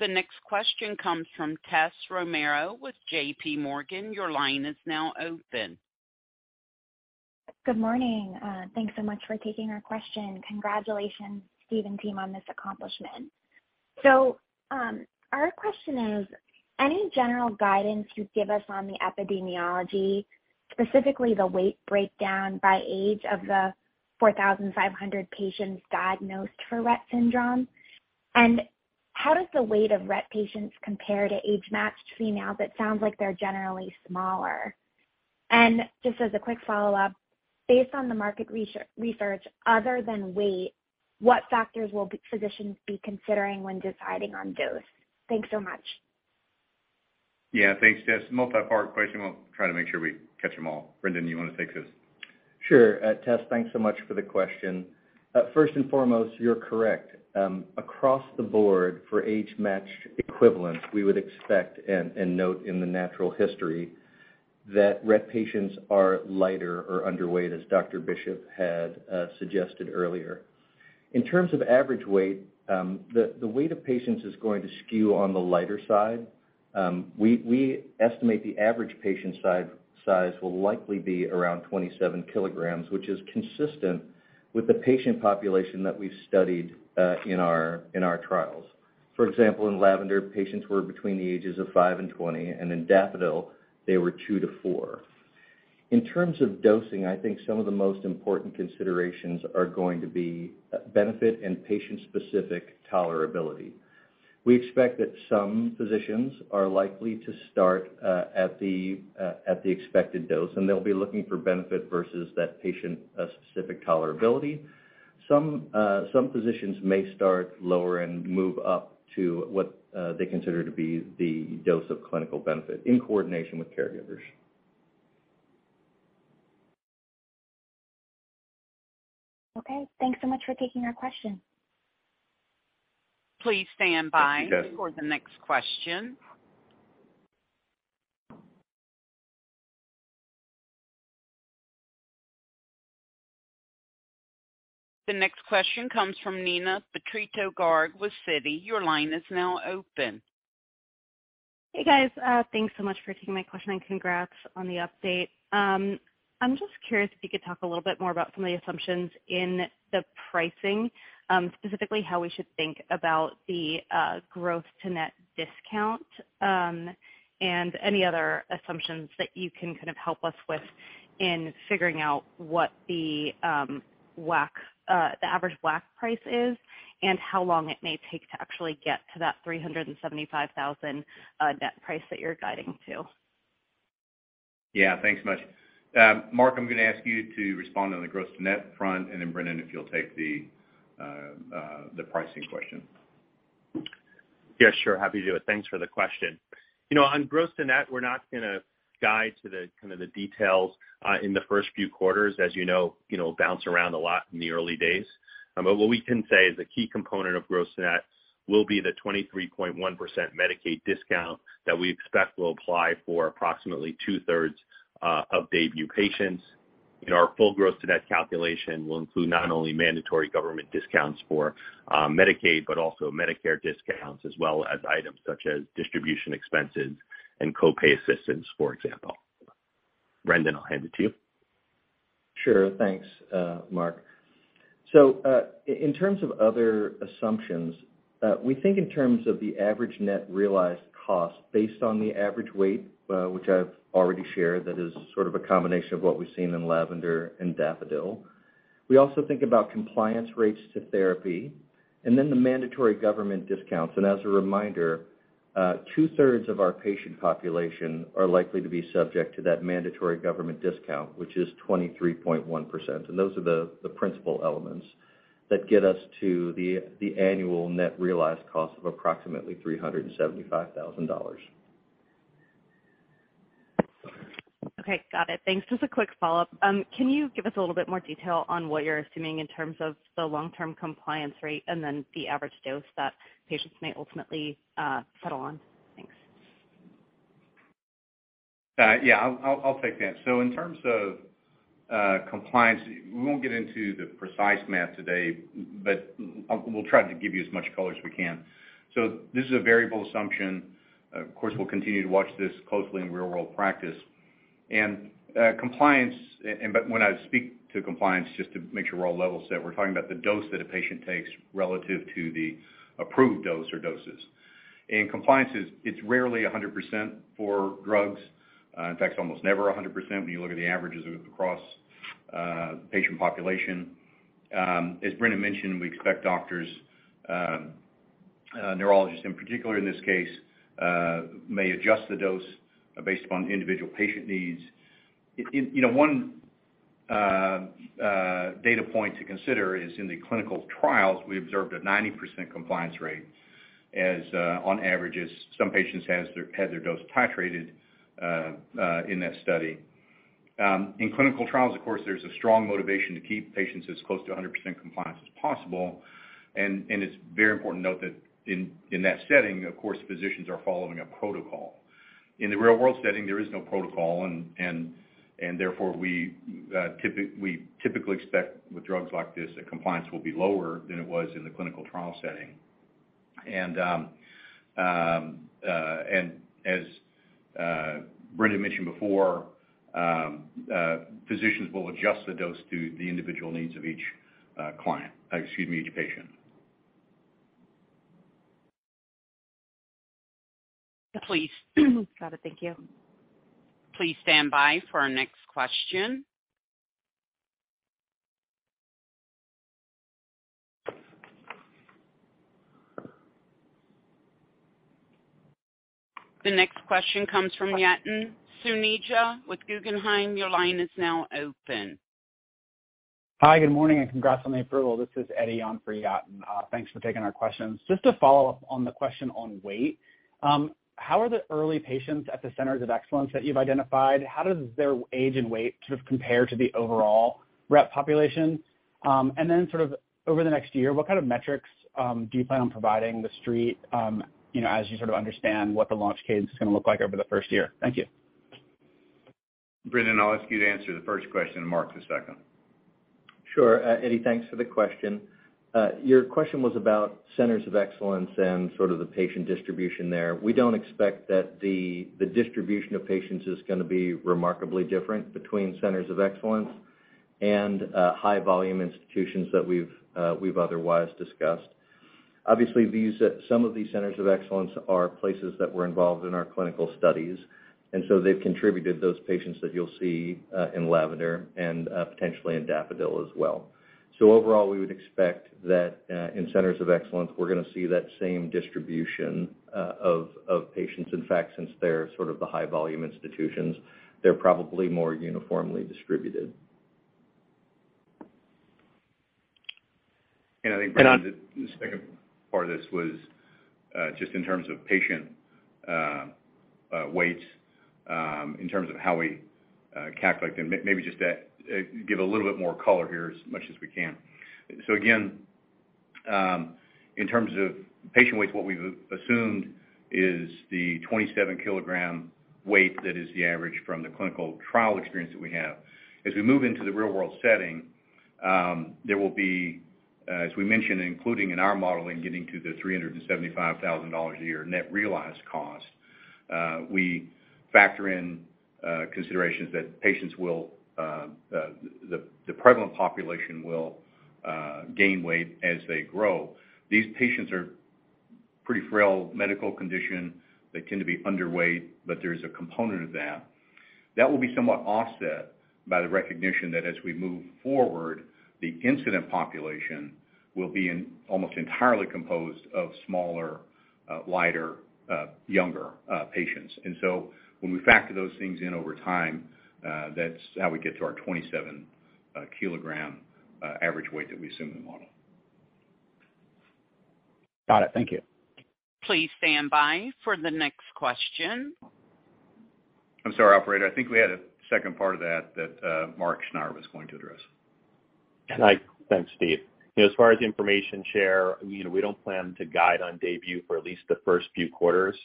The next question comes from Tessa Romero with J.P. Morgan. Your line is now open. Good morning. Thanks so much for taking our question. Congratulations, Steve and team, on this accomplishment. Our question is, any general guidance you'd give us on the epidemiology, specifically the weight breakdown by age of the 4,500 patients diagnosed for Rett syndrome? How does the weight of Rett patients compare to age-matched females? It sounds like they're generally smaller. Just as a quick follow-up, based on the market research, other than weight, what factors will physicians be considering when deciding on dose? Thanks so much. Yeah. Thanks, Tessa. Multi-part question. We'll try to make sure we catch them all. Brendan, you wanna take this? Sure. Tessa, thanks so much for the question. First and foremost, you're correct. Across the board for age-matched equivalents, we would expect and note in the natural history that Rett patients are lighter or underweight, as Dr. Bishop had suggested earlier. In terms of average weight, the weight of patients is going to skew on the lighter side. We estimate the average patient size will likely be around 27 kilograms, which is consistent with the patient population that we've studied in our trials. For example, in LAVENDER, patients were between the ages of five and 20, and in DAFFODIL, they were two to four. In terms of dosing, I think some of the most important considerations are going to be benefit and patient-specific tolerability. We expect that some physicians are likely to start at the at the expected dose, and they'll be looking for benefit versus that patient specific tolerability. Some physicians may start lower and move up to what they consider to be the dose of clinical benefit in coordination with caregivers. Okay. Thanks so much for taking our question. Thank you, Tessa. Please stand by for the next question. The next question comes from Neena Bitritto-Garg with Citi. Your line is now open. Hey, guys. Thanks so much for taking my question, and congrats on the update. I'm just curious if you could talk a little bit more about some of the assumptions in the pricing, specifically how we should think about the gross-to-net discount, and any other assumptions that you can kind of help us with in figuring out what the average WAC price is and how long it may take to actually get to that $375,000 net price that you're guiding to. Thanks much. Mark, I'm gonna ask you to respond on the gross-to-net front, and then Brendan, if you'll take the pricing question. Yes, sure. Happy to do it. Thanks for the question. You know, on gross-to-net, we're not gonna guide to the kind of the details in the first few quarters. As you know, bounce around a lot in the early days. What we can say is a key component of gross-to-net will be the 23.1% Medicaid discount that we expect will apply for approximately 2/3 of DAYBUE patients. Our full gross-to-net calculation will include not only mandatory government discounts for Medicaid, but also Medicare discounts as well as items such as distribution expenses and co-pay assistance, for example. Brendan, I'll hand it to you. Sure. Thanks, Mark. In terms of other assumptions, we think in terms of the average net realized cost based on the average weight, which I've already shared, that is sort of a combination of what we've seen in LAVENDER and DAFFODIL. We also think about compliance rates to therapy and then the mandatory government discounts. As a reminder, two-thirds of our patient population are likely to be subject to that mandatory government discount, which is 23.1%. Those are the principal elements that get us to the annual net realized cost of approximately $375,000. Okay. Got it. Thanks. Just a quick follow-up. Can you give us a little bit more detail on what you're assuming in terms of the long-term compliance rate and then the average dose that patients may ultimately settle on? Thanks. Yeah, I'll take that. In terms of compliance, we won't get into the precise math today, but we'll try to give you as much color as we can. This is a variable assumption. Of course, we'll continue to watch this closely in real-world practice. When I speak to compliance, just to make sure we're all level set, we're talking about the dose that a patient takes relative to the approved dose or doses. In compliance, it's rarely 100% for drugs, in fact, almost never 100% when you look at the averages across patient population. As Brendan mentioned, we expect doctors, neurologists in particular in this case, may adjust the dose based upon individual patient needs. You know, one data point to consider is in the clinical trials, we observed a 90% compliance rate as on average as some patients had their dose titrated in that study. In clinical trials, of course, there's a strong motivation to keep patients as close to 100% compliance as possible. It's very important to note that in that setting, of course, physicians are following a protocol. In the real-world setting, there is no protocol and therefore we typically expect with drugs like this that compliance will be lower than it was in the clinical trial setting. As Brendan mentioned before, physicians will adjust the dose to the individual needs of each client, excuse me, each patient. Please. Got it. Thank you. Please stand by for our next question. The next question comes from Yatin Suneja with Guggenheim. Your line is now open. Hi, good morning, and congrats on the approval. This is Eddie on for Yatin. Thanks for taking our questions. Just to follow up on the question on weight, how are the early patients at the Centers of Excellence that you've identified, how does their age and weight sort of compare to the overall Rett population? Then sort of over the next year, what kind of metrics do you plan on providing the street, you know, as you sort of understand what the launch cadence is going to look like over the first year? Thank you. Brendan, I'll ask you to answer the first question and Mark the second. Sure. Eddie, thanks for the question. Your question was about centers of excellence and sort of the patient distribution there. We don't expect that the distribution of patients is gonna be remarkably different between centers of excellence and high volume institutions that we've otherwise discussed. Obviously, some of these centers of excellence are places that were involved in our clinical studies, and so they've contributed those patients that you'll see in LAVENDER and potentially in DAFFODIL as well. Overall, we would expect that in centers of excellence, we're gonna see that same distribution of patients. In fact, since they're sort of the high volume institutions, they're probably more uniformly distributed. I think, Brendan, the second part of this was just in terms of patient weights, in terms of how we calculate them. Maybe just give a little bit more color here as much as we can. Again, in terms of patient weights, what we've assumed is the 27 kilogram weight that is the average from the clinical trial experience that we have. As we move into the real-world setting, there will be, as we mentioned, including in our modeling, getting to the $375,000 a year net realized cost, we factor in considerations that patients will, the prevalent population will gain weight as they grow. These patients are pretty frail medical condition. They tend to be underweight, but there's a component of that. That will be somewhat offset by the recognition that as we move forward, the incident population will be in almost entirely composed of smaller, lighter, younger, patients. When we factor those things in over time, that's how we get to our 27 kilogram average weight that we assume in the model. Got it. Thank you. Please stand by for the next question. I'm sorry, operator. I think we had a second part of that Mark Schneyer was going to address. Thanks, Steve. As far as information share, you know, we don't plan to guide on DAYBUE for at least the first few quarters.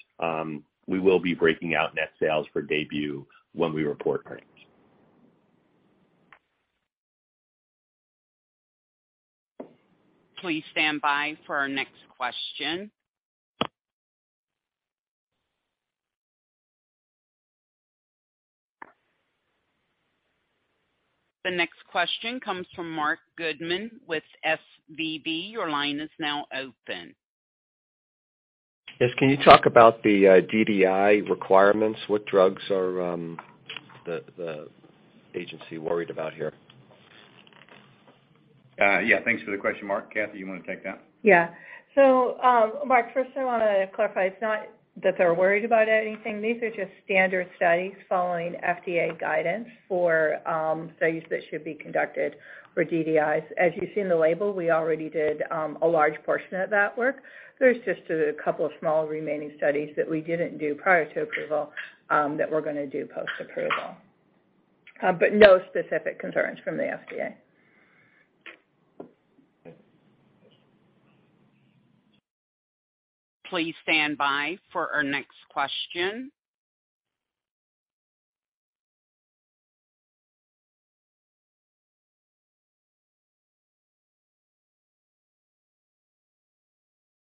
We will be breaking out net sales for DAYBUE when we report earnings. Please stand by for our next question. The next question comes from Marc Goodman with SVB. Your line is now open. Yes, can you talk about the DDI requirements? What drugs are the agency worried about here? Thanks for the question, Mark. Kathie, you want to take that? Mark, first, I wanna clarify, it's not that they're worried about anything. These are just standard studies following FDA guidance for studies that should be conducted for DDIs. As you see in the label, we already did a large portion of that work. There's just two small remaining studies that we didn't do prior to approval that we're gonna do post-approval. No specific concerns from the FDA. Please stand by for our next question.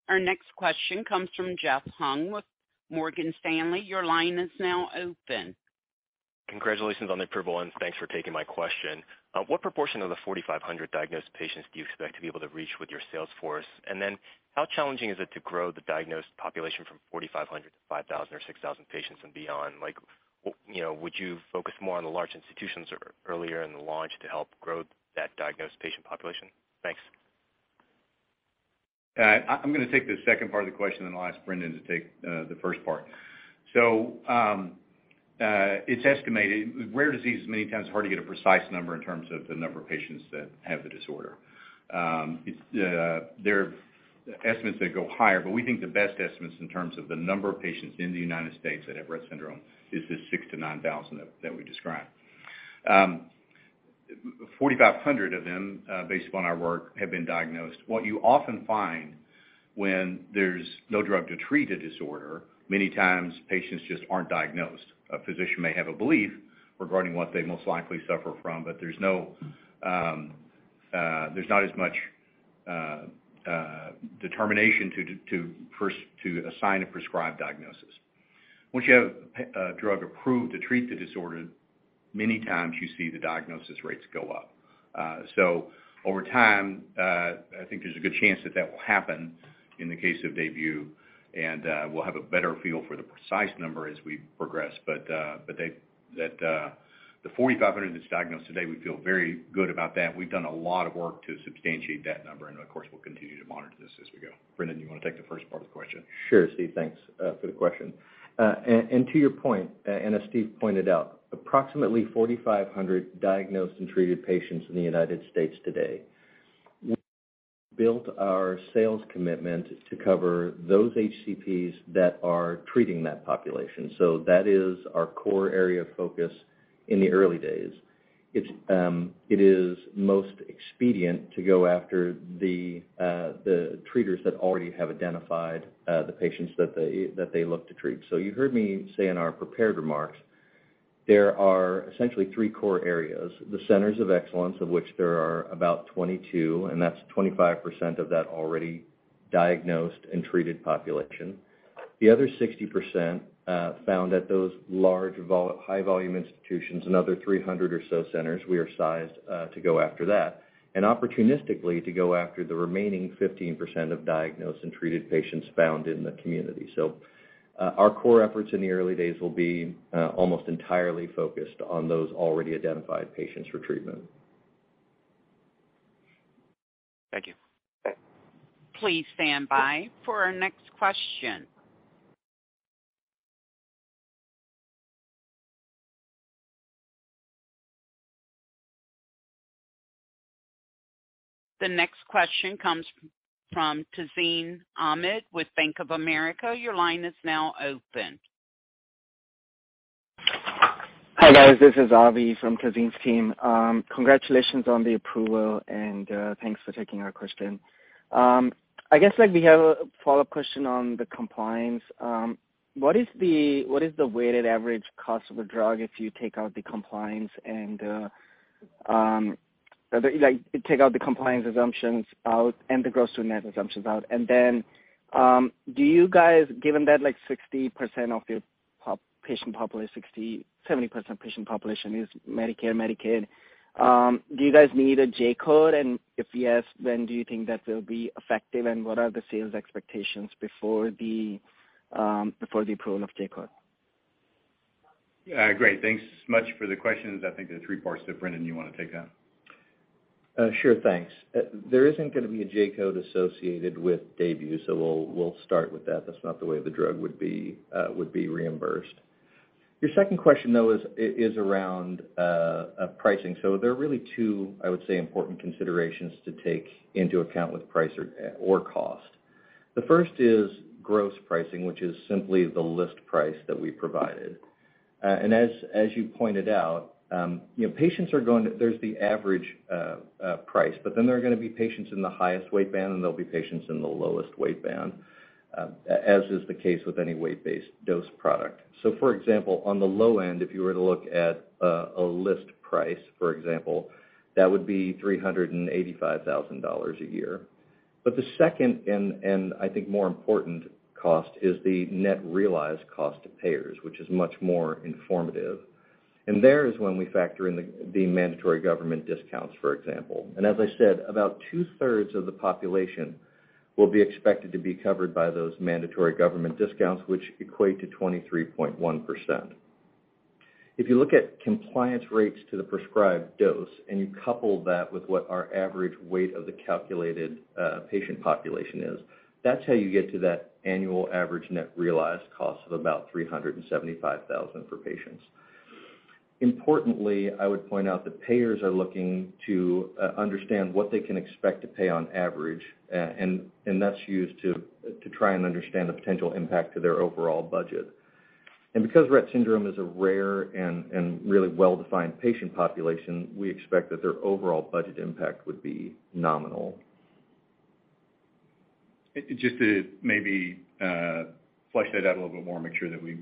Our next question comes from Jeff Hung with Morgan Stanley. Your line is now open. Congratulations on the approval. Thanks for taking my question. What proportion of the 4,500 diagnosed patients do you expect to be able to reach with your sales force? How challenging is it to grow the diagnosed population from 4,500 to 5,000 or 6,000 patients and beyond? Like, you know, would you focus more on the large institutions or earlier in the launch to help grow that diagnosed patient population? Thanks. I'm gonna take the second part of the question, then I'll ask Brendan to take the first part. It's estimated. With rare diseases, many times it's hard to get a precise number in terms of the number of patients that have the disorder. There are estimates that go higher, but we think the best estimates in terms of the number of patients in the United States that have Rett syndrome is the 6,000-9,000 that we described. 4,500 of them, based on our work, have been diagnosed. What you often find when there's no drug to treat a disorder, many times patients just aren't diagnosed. A physician may have a belief regarding what they most likely suffer from, there's no, there's not as much determination to assign a prescribed diagnosis. Once you have a drug approved to treat the disorder, many times you see the diagnosis rates go up. Over time, I think there's a good chance that that will happen in the case of DAYBUE, and we'll have a better feel for the precise number as we progress. The 4,500 that's diagnosed today, we feel very good about that. We've done a lot of work to substantiate that number, and of course, we'll continue to monitor this as we go. Brendan, you wanna take the first part of the question? Sure, Steve. Thanks for the question. To your point, and as Steve pointed out, approximately 4,500 diagnosed and treated patients in the United States today. We built our sales commitment to cover those HCPs that are treating that population. That is our core area of focus in the early days. It's, it is most expedient to go after the treaters that already have identified the patients that they, that they look to treat. You heard me say in our prepared remarks, there are essentially three core areas, the centers of excellence of which there are about 22, and that's 25% of that already diagnosed and treated population. The other 60%, found at those large high volume institutions, another 300 or so centers, we are sized to go after that, and opportunistically to go after the remaining 15% of diagnosed and treated patients found in the community. Our core efforts in the early days will be almost entirely focused on those already identified patients for treatment. Thank you. Okay. Please stand by for our next question. The next question comes from Tazeen Ahmad with Bank of America. Your line is now open. Hi, guys, this is Avi from Tazeen's team. Congratulations on the approval and thanks for taking our question. I guess, like, we have a follow-up question on the compliance. What is the weighted average cost of a drug if you take out the compliance and, like, take out the compliance assumptions out and the gross-to-net assumptions out? Do you guys, given that, like, 60% of your patient population, 60%-70% patient population is Medicare, Medicaid, do you guys need a J-code? If yes, when do you think that will be effective, and what are the sales expectations before the approval of J-code? Yeah. Great. Thanks so much for the questions. I think there are three parts to it. Brendan, you wanna take that? Sure. Thanks. There isn't gonna be a J-code associated with DAYBUE, so we'll start with that. That's not the way the drug would be reimbursed. Your second question, though, is around pricing. There are really two, I would say, important considerations to take into account with price or cost. The first is gross pricing, which is simply the list price that we provided. And as you pointed out, you know, patients are going to there's the average price, but then there are gonna be patients in the highest weight band, and there'll be patients in the lowest weight band, as is the case with any weight-based dose product. For example, on the low end, if you were to look at a list price, for example, that would be $385,000 a year. The second, and I think more important cost is the net realized cost to payers, which is much more informative. There is when we factor in the mandatory government discounts, for example. As I said, about 2/3 of the population will be expected to be covered by those mandatory government discounts, which equate to 23.1%. If you look at compliance rates to the prescribed dose and you couple that with what our average weight of the calculated patient population is, that's how you get to that annual average net realized cost of about $375,000 for patients. Importantly, I would point out that payers are looking to understand what they can expect to pay on average, and that's used to try and understand the potential impact to their overall budget. Because Rett syndrome is a rare and really well-defined patient population, we expect that their overall budget impact would be nominal. Just to maybe flesh that out a little bit more, make sure that we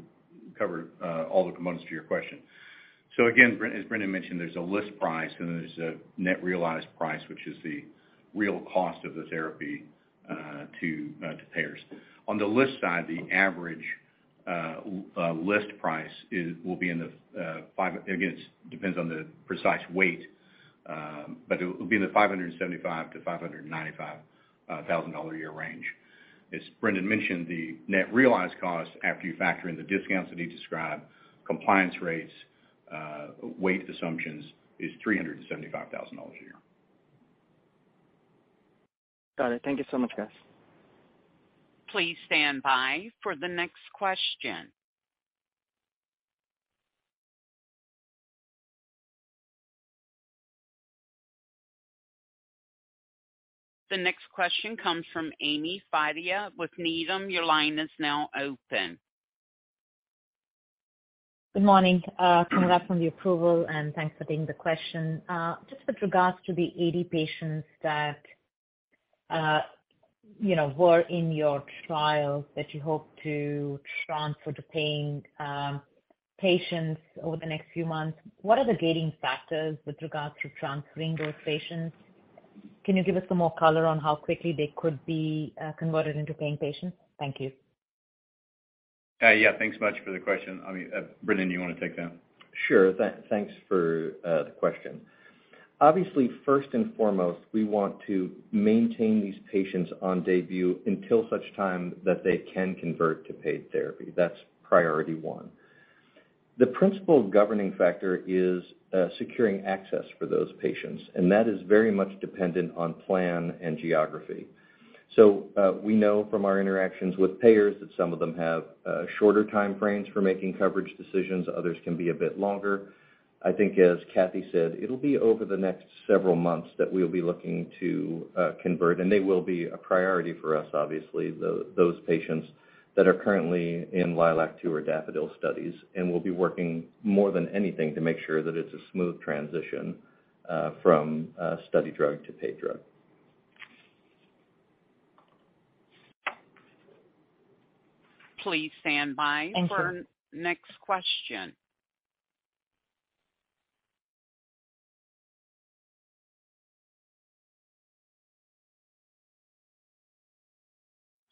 cover all the components to your question. Again, as Brendan mentioned, there's a list price, and then there's a net realized price, which is the real cost of the therapy to payers. On the list side, the average list price will be in the five... Again, it depends on the precise weight, but it will be in the $575,000-$595,000 a year range. As Brendan mentioned, the net realized cost after you factor in the discounts that he described, compliance rates, weight assumptions, is $375,000 a year. Got it. Thank you so much, guys. Please stand by for the next question. The next question comes from Ami Fadia with Needham. Your line is now open. Good morning. Congrats on the approval, and thanks for taking the question. Just with regards to the 80 patients that, you know, were in your trials that you hope to transfer to paying patients over the next few months, what are the gating factors with regards to transferring those patients? Can you give us some more color on how quickly they could be converted into paying patients? Thank you. Yeah. Thanks much for the question. I mean, Brendan, you wanna take that? Sure. Thanks for the question. Obviously, first and foremost, we want to maintain these patients on DAYBUE until such time that they can convert to paid therapy. That's priority one. The principal governing factor is securing access for those patients, and that is very much dependent on plan and geography. We know from our interactions with payers that some of them have shorter time frames for making coverage decisions, others can be a bit longer. I think as Kathie said, it'll be over the next several months that we'll be looking to convert, and they will be a priority for us, obviously, those patients that are currently in LILAC-2 or DAFFODIL studies. We'll be working more than anything to make sure that it's a smooth transition from a study drug to paid drug. Please stand by. Thank you. For next question.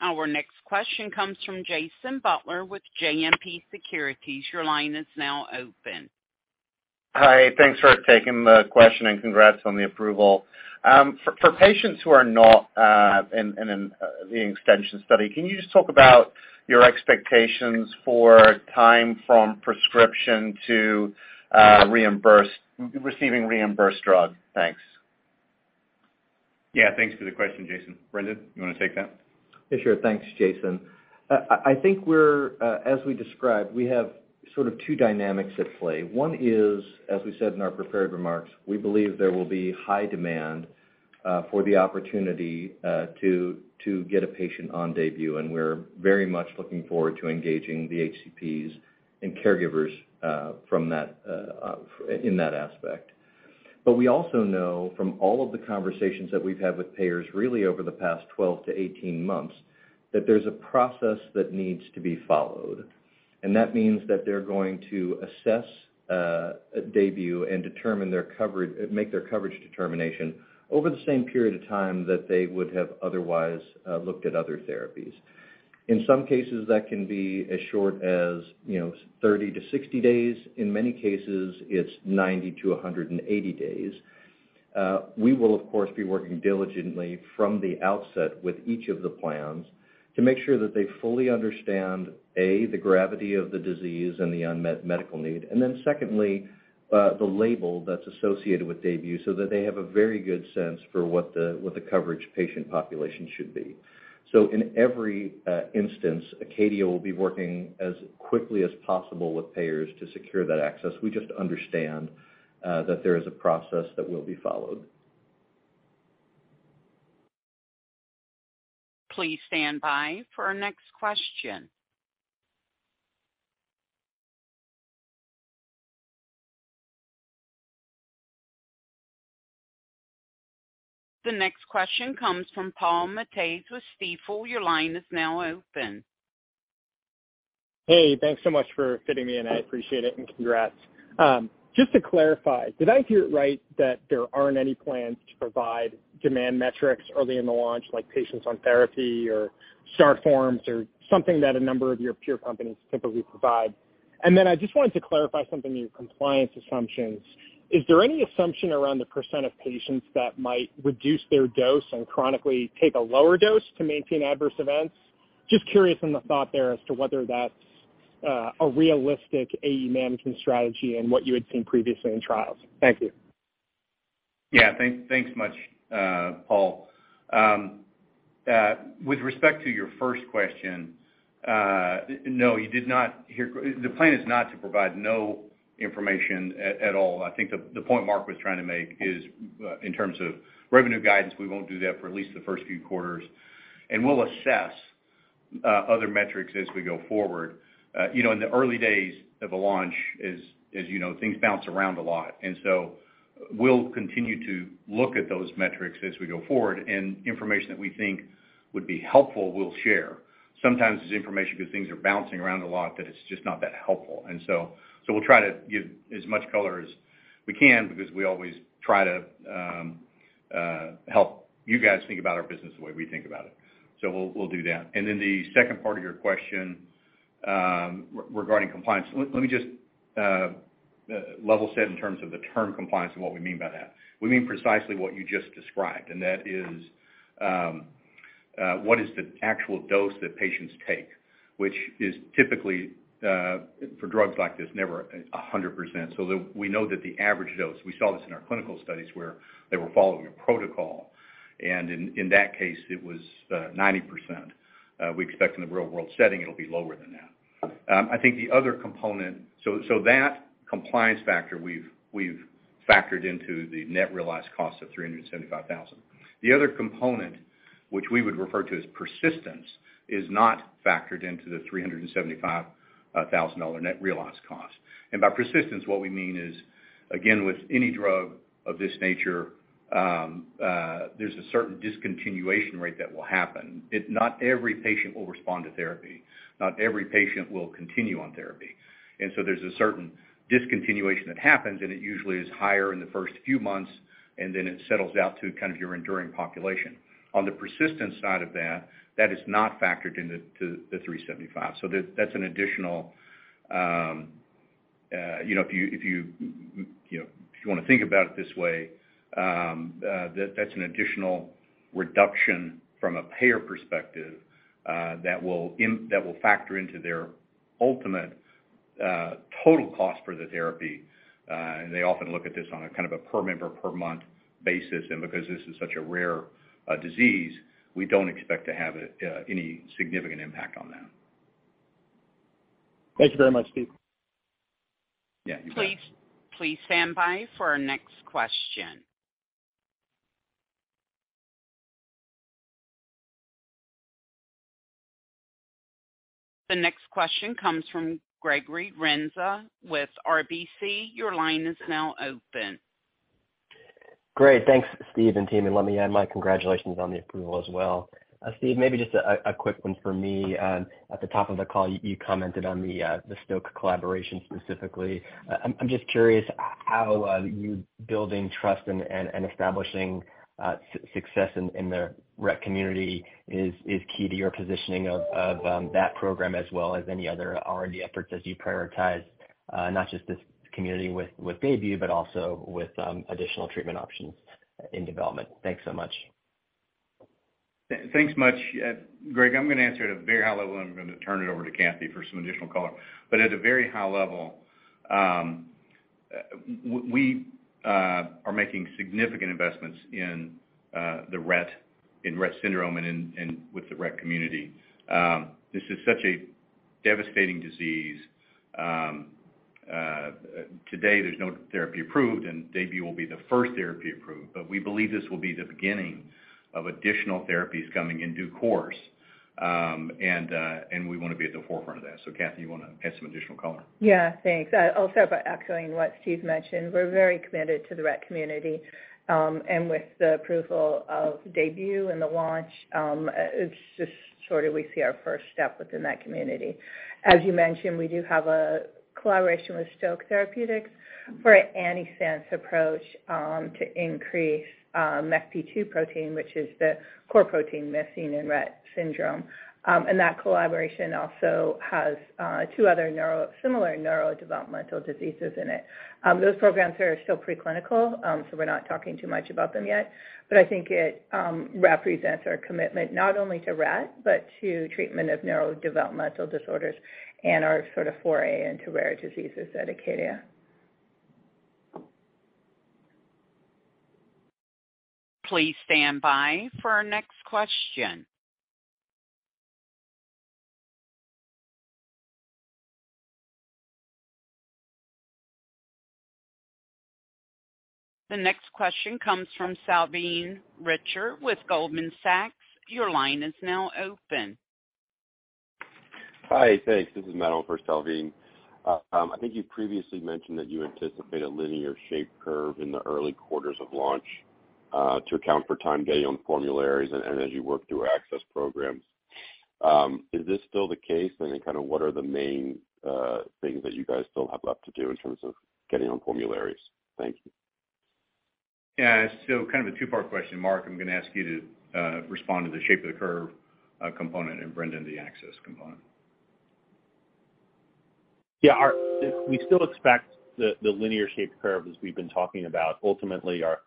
Our next question comes from Jason Butler with JMP Securities. Your line is now open. Hi. Thanks for taking the question, and congrats on the approval. For patients who are not in the extension study, can you just talk about your expectations for time from prescription to receiving reimbursed drug? Thanks. Yeah. Thanks for the question, Jason. Brendan, you wanna take that? Yeah, sure. Thanks, Jason. I think we're, as we described, we have sort of two dynamics at play. One is, as we said in our prepared remarks, we believe there will be high demand for the opportunity to get a patient on DAYBUE, and we're very much looking forward to engaging the HCPs and caregivers from that in that aspect. We also know from all of the conversations that we've had with payers really over the past 12-18 months, that there's a process that needs to be followed. That means that they're going to assess DAYBUE and make their coverage determination over the same period of time that they would have otherwise looked at other therapies. In some cases, that can be as short as, you know, 30-60 days. In many cases, it's 90-180 days. We will of course, be working diligently from the outset with each of the plans to make sure that they fully understand, A, the gravity of the disease and the unmet medical need. Secondly, the label that's associated with DAYBUE so that they have a very good sense for what the coverage patient population should be. In every instance, ACADIA will be working as quickly as possible with payers to secure that access. We just understand that there is a process that will be followed. Please stand by for our next question. The next question comes from Paul Matteis with Stifel. Your line is now open. Hey, thanks so much for fitting me in. I appreciate it, and congrats. Just to clarify, did I hear it right that there aren't any plans to provide demand metrics early in the launch, like patients on therapy or start forms or something that a number of your peer companies typically provide? I just wanted to clarify something in your compliance assumptions. Is there any assumption around the percent of patients that might reduce their dose and chronically take a lower dose to maintain adverse events? Just curious on the thought there as to whether that's a realistic AE management strategy and what you had seen previously in trials. Thank you. Yeah. Thanks much, Paul. With respect to your first question, no, you did not hear. The plan is not to provide no information at all. I think the point Mark was trying to make is, in terms of revenue guidance, we won't do that for at least the first few quarters, and we'll assess other metrics as we go forward. You know, in the early days of a launch, as you know, things bounce around a lot. We'll continue to look at those metrics as we go forward, and information that we think would be helpful, we'll share. Sometimes it's information because things are bouncing around a lot that it's just not that helpful. We'll try to give as much color as we can because we always try to help you guys think about our business the way we think about it. We'll do that. The second part of your question regarding compliance. Let me just level set in terms of the term compliance and what we mean by that. We mean precisely what you just described, and that is what is the actual dose that patients take, which is typically for drugs like this, never 100%. We know that the average dose, we saw this in our clinical studies where they were following a protocol, and in that case, it was 90%. We expect in the real-world setting, it'll be lower than that. I think the other component... That compliance factor we've factored into the net realized cost of $375,000. The other component, which we would refer to as persistence, is not factored into the $375,000 net realized cost. By persistence, what we mean is, again, with any drug of this nature, there's a certain discontinuation rate that will happen. Not every patient will respond to therapy, not every patient will continue on therapy. There's a certain discontinuation that happens, and it usually is higher in the first few months, and then it settles out to kind of your enduring population. On the persistence side of that is not factored into the $375,000. That's an additional, you know, if you know, if you wanna think about it this way, that's an additional reduction from a payer perspective that will factor into their ultimate total cost for the therapy. They often look at this on a kind of a per member per month basis. Because this is such a rare disease, we don't expect to have any significant impact on that. Thank you very much, Steve. Yeah. You bet. Please stand by for our next question. The next question comes from Gregory Renza with RBC. Your line is now open. Great. Thanks, Steve and team, and let me add my congratulations on the approval as well. Steve, maybe just a quick one for me. At the top of the call, you commented on the Stoke collaboration specifically. I'm just curious how you building trust and establishing success in the Rett community is key to your positioning of that program as well as any other R&D efforts as you prioritize not just this community with DAYBUE, but also with additional treatment options in development. Thanks so much. Thanks much, Gregory Renza. I'm gonna answer at a very high level, and I'm gonna turn it over to Kathie Bishop for some additional color. At a very high level, we are making significant investments in Rett syndrome and in with the Rett community. This is such a devastating disease. Today there's no therapy approved, and DAYBUE will be the first therapy approved. We believe this will be the beginning of additional therapies coming in due course, and we wanna be at the forefront of that. Kathie, you wanna add some additional color? Yeah, thanks. I'll start by echoing what Steve mentioned. We're very committed to the Rett community. With the approval of DAYBUE and the launch, it's just shortly we see our first step within that community. As you mentioned, we do have a collaboration with Stoke Therapeutics for an antisense approach to increase MeCP2 protein, which is the core protein missing in Rett syndrome. That collaboration also has two other similar neurodevelopmental diseases in it. Those programs are still preclinical, we're not talking too much about them yet. I think it represents our commitment not only to Rett, but to treatment of neurodevelopmental disorders and our sort of foray into rare diseases at ACADIA. Please stand by for our next question. The next question comes from Salveen Richter with Goldman Sachs. Your line is now open. Hi. Thanks. This is Manuel for Salveen. I think you previously mentioned that you anticipate a linear shape curve in the early quarters of launch, to account for time getting on formularies and as you work through access programs. Is this still the case? What are the main things that you guys still have left to do in terms of getting on formularies? Thank you. Yeah. Kind of a two-part question. Mark, I'm gonna ask you to respond to the shape of the curve component, and Brendan, the access component. Yeah. We still expect the linear shape curve as we've been talking about. Ultimately, our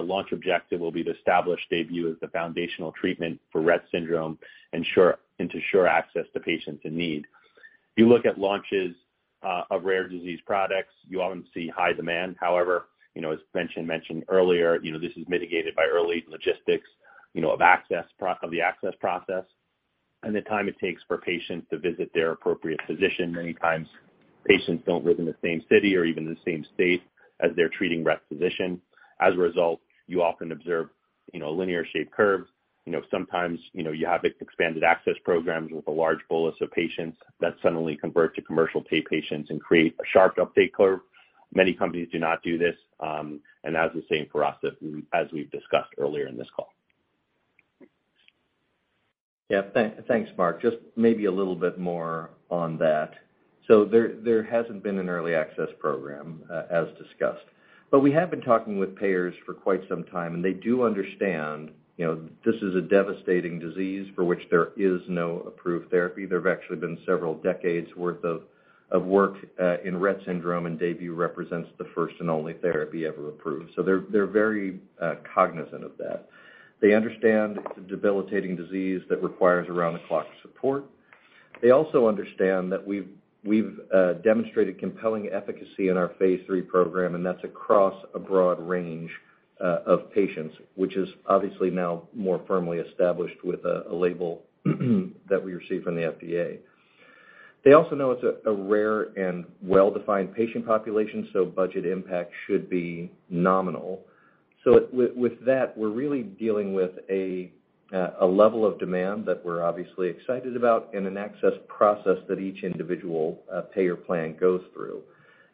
launch objective will be to establish DAYBUE as the foundational treatment for Rett syndrome and to sure access to patients in need. If you look at launches of rare disease products, you often see high demand. You know, as Brendan mentioned earlier, you know, this is mitigated by early logistics, you know, of the access process and the time it takes for patients to visit their appropriate physician. Many times patients don't live in the same city or even the same state as their treating Rett physician. You often observe, you know, linear shape curves. You know, sometimes, you know, you have expanded access programs with a large bolus of patients that suddenly convert to commercial pay patients and create a sharp uptake curve. Many companies do not do this. That's the same for us as we've discussed earlier in this call. Yeah. Thanks, Mark. Just maybe a little bit more on that. There hasn't been an early access program as discussed. We have been talking with payers for quite some time, and they do understand, you know, this is a devastating disease for which there is no approved therapy. There have actually been several decades worth of work in Rett syndrome, and DAYBUE represents the first and only therapy ever approved. They're very cognizant of that. They understand it's a debilitating disease that requires around-the-clock support. They also understand that we've demonstrated compelling efficacy in our Phase 3 program, and that's across a broad range of patients, which is obviously now more firmly established with a label that we received from the FDA. They also know it's a rare and well-defined patient population. Budget impact should be nominal. With that, we're really dealing with a level of demand that we're obviously excited about and an access process that each individual payer plan goes through.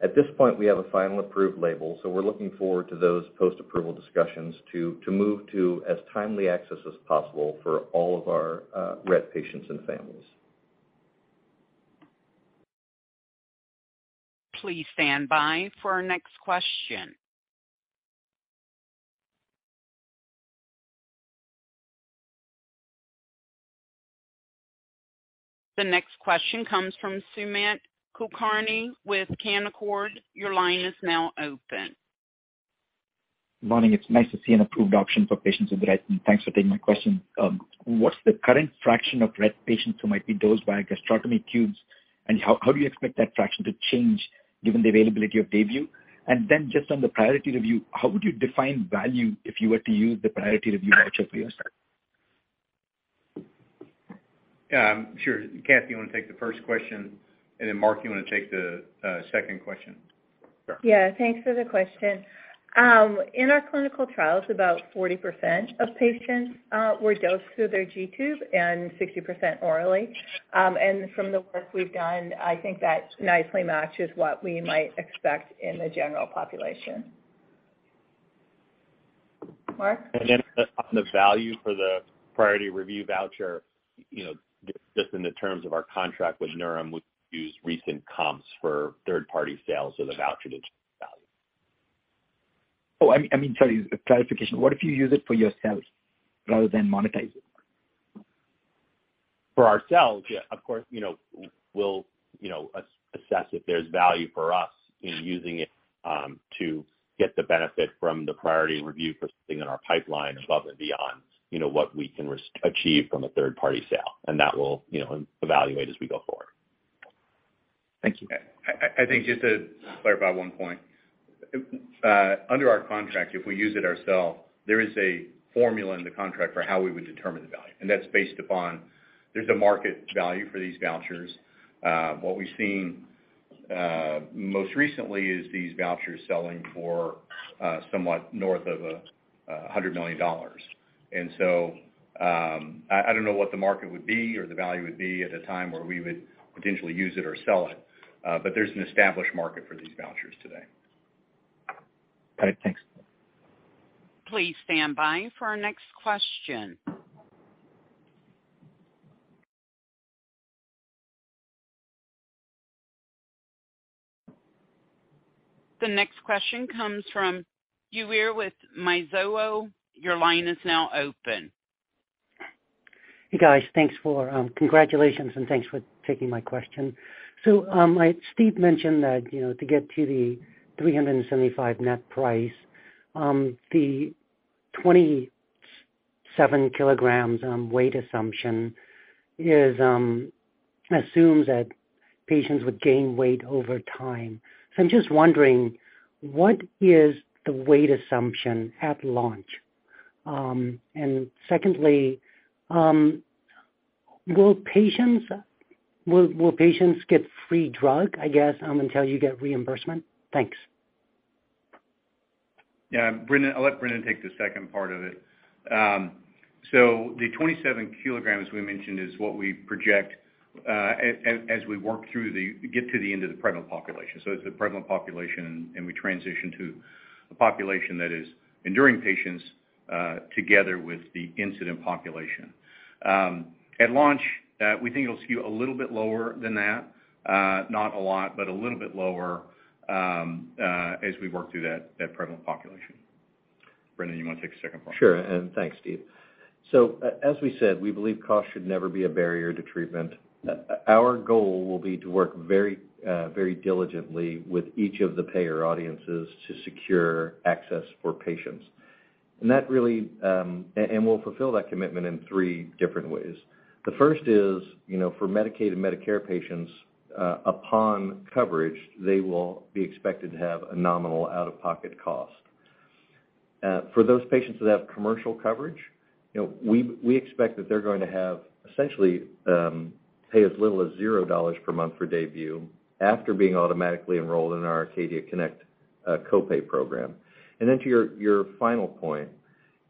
At this point, we have a final approved label. We're looking forward to those post-approval discussions to move to as timely access as possible for all of our Rett patients and families. Please stand by for our next question. The next question comes from Sumant Kulkarni with Canaccord. Your line is now open. Morning. It's nice to see an approved option for patients with Rett, thanks for taking my question. What's the current fraction of Rett patients who might be dosed by gastrostomy tubes? How do you expect that fraction to change given the availability of DAYBUE? Then just on the priority review, how would you define value if you were to use the priority review voucher for yourself? Yeah. Sure. Kathie, you wanna take the first question, and then Mark, you wanna take the second question? Sure. Yeah. Thanks for the question. In our clinical trials, about 40% of patients were dosed through their G-tube and 60% orally. From the work we've done, I think that nicely matches what we might expect in the general population. Mark? On the value for the priority review voucher, you know, just in the terms of our contract with Neuren, we use recent comps for third-party sales of the voucher to value. I mean, sorry. Clarification. What if you use it for yourself rather than monetize it? For ourselves? Yeah. Of course, you know, we'll, you know, assess if there's value for us in using it, to get the benefit from the priority review for something in our pipeline above and beyond, you know, what we can achieve from a third party sale. That we'll, you know, evaluate as we go forward. Thank you. I think just to clarify one point. Under our contract, if we use it ourselves, there is a formula in the contract for how we would determine the value, and that's based upon there's a market value for these vouchers. What we've seen most recently is these vouchers selling for somewhat north of $100 million. I don't know what the market would be or the value would be at a time where we would potentially use it or sell it, but there's an established market for these vouchers today. Okay, thanks. Please stand by for our next question. The next question comes from Uy Ear with Mizuho. Your line is now open. Hey, guys. Thanks for. Congratulations, thanks for taking my question. Steve mentioned that, you know, to get to the $375 net price, the 27 kilograms, weight assumption is, assumes that patients would gain weight over time. I'm just wondering what is the weight assumption at launch? Secondly, will patients get free drug, I guess, until you get reimbursement? Thanks. Yeah. Brendan, I'll let Brendan take the second part of it. The 27 kilograms we mentioned is what we project, as we work through the get to the end of the prevalent population. It's a prevalent population, and we transition to a population that is enduring patients, together with the incident population. At launch, we think it'll skew a little bit lower than that, not a lot, but a little bit lower, as we work through that prevalent population. Brendan, you wanna take the second part? Sure. Thanks, Steve. As we said, we believe cost should never be a barrier to treatment. Our goal will be to work very, very diligently with each of the payer audiences to secure access for patients. That really, we'll fulfill that commitment in three different ways. The first is, you know, for Medicaid and Medicare patients, upon coverage, they will be expected to have a nominal out-of-pocket cost. For those patients that have commercial coverage, you know, we expect that they're going to have essentially, pay as little as $0 per month for DAYBUE after being automatically enrolled in our Acadia Connect, co-pay program. Then to your final point,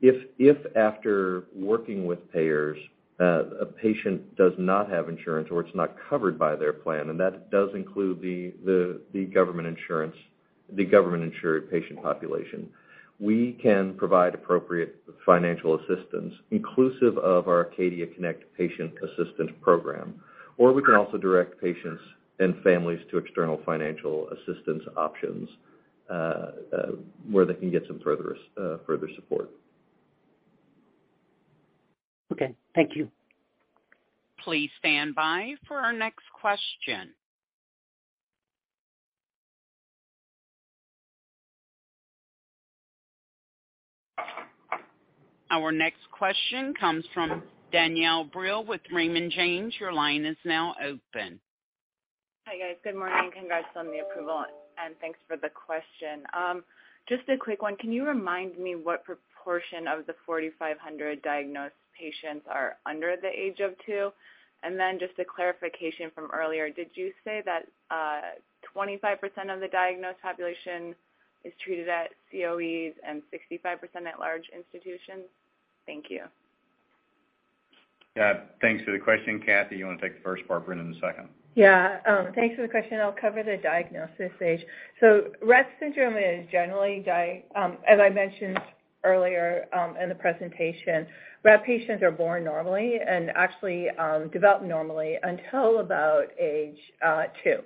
if after working with payers, a patient does not have insurance or it's not covered by their plan, that does include the government-insured patient population, we can provide appropriate financial assistance inclusive of our Acadia Connect Patient Assistance Program. We can also direct patients and families to external financial assistance options, where they can get some further support. Okay. Thank you. Please stand by for our next question. Our next question comes from Danielle Brill with Raymond James. Your line is now open. Hi. Guys. Good morning. Congrats on the approval. Thanks for the question. Just a quick one. Can you remind me what proportion of the 4,500 diagnosed patients are under the age of two? Just a clarification from earlier, did you say that 25% of the diagnosed population is treated at COEs and 65% at large institutions? Thank you. Yeah. Thanks for the question. Kathie, you wanna take the first part, Brendan, the second? Yeah. Thanks for the question. I'll cover the diagnosis age. Rett syndrome is generally as I mentioned earlier, in the presentation, Rett patients are born normally and actually develop normally until about age two.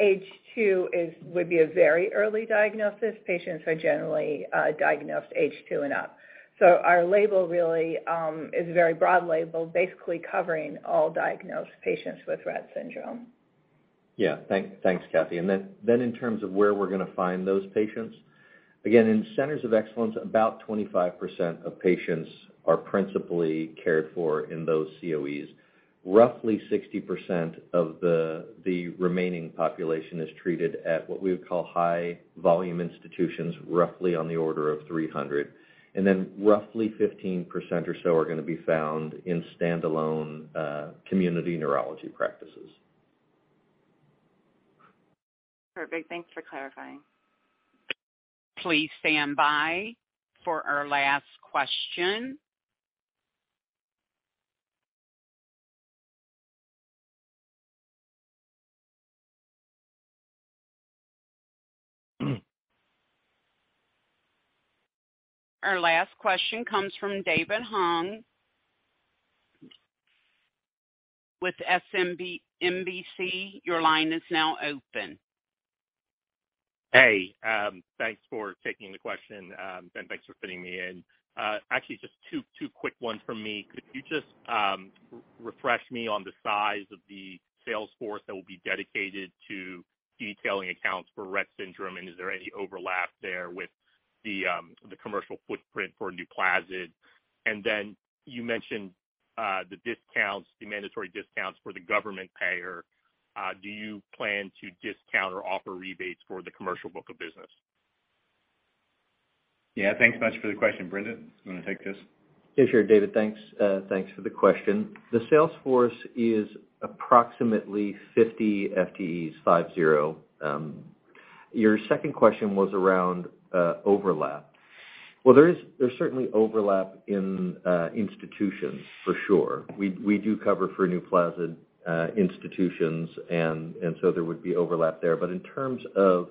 Age two would be a very early diagnosis. Patients are generally diagnosed age two and up. Our label really is a very broad label, basically covering all diagnosed patients with Rett syndrome. Yeah. Thanks, Kathie. Then in terms of where we're gonna find those patients, again, in centers of excellence, about 25% of patients are principally cared for in those COEs. Roughly 60% of the remaining population is treated at what we would call high volume institutions, roughly on the order of 300. Roughly 15% or so are gonna be found in stand-alone community neurology practices. Perfect. Thanks for clarifying. Please stand by for our last question. Our last question comes from David Hong with SVB Securities. Your line is now open. Hey. Thanks for taking the question. Thanks for fitting me in. Actually just two quick ones from me. Could you just refresh me on the size of the sales force that will be dedicated to detailing accounts for Rett syndrome? Is there any overlap there with the commercial footprint for NUPLAZID? You mentioned the discounts, the mandatory discounts for the government payer. Do you plan to discount or offer rebates for the commercial book of business? Yeah. Thanks so much for the question. Brendan, do you wanna take this? Yeah, sure, David. Thanks. Thanks for the question. The sales force is approximately 50 FTEs, five, zero. Your second question was around overlap. There's certainly overlap in institutions for sure. We do cover for NUPLAZID, institutions and so there would be overlap there. In terms of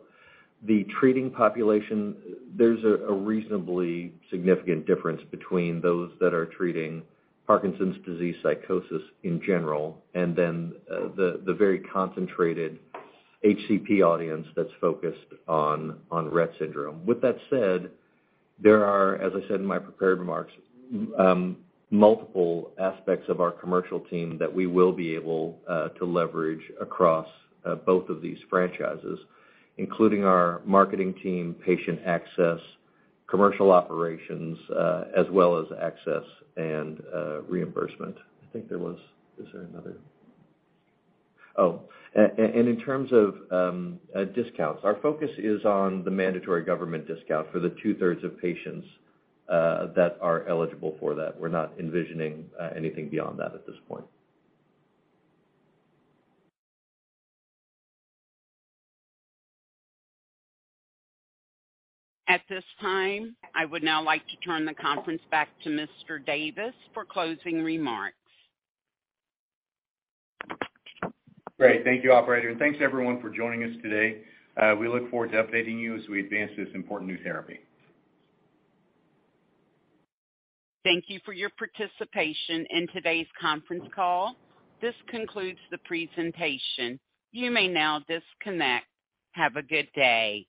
the treating population, there's a reasonably significant difference between those that are treating Parkinson's disease psychosis in general, and then the very concentrated HCP audience that's focused on Rett syndrome. With that said, there are, as I said in my prepared remarks, multiple aspects of our commercial team that we will be able to leverage across both of these franchises, including our marketing team, patient access, commercial operations, as well as access and reimbursement. I think there was... Is there another? In terms of discounts, our focus is on the mandatory government discount for the two-thirds of patients that are eligible for that. We're not envisioning anything beyond that at this point. At this time, I would now like to turn the conference back to Mr. Davis for closing remarks. Great. Thank you, operator, and thanks everyone for joining us today. We look forward to updating you as we advance this important new therapy. Thank you for your participation in today's conference call. This concludes the presentation. You may now disconnect. Have a good day.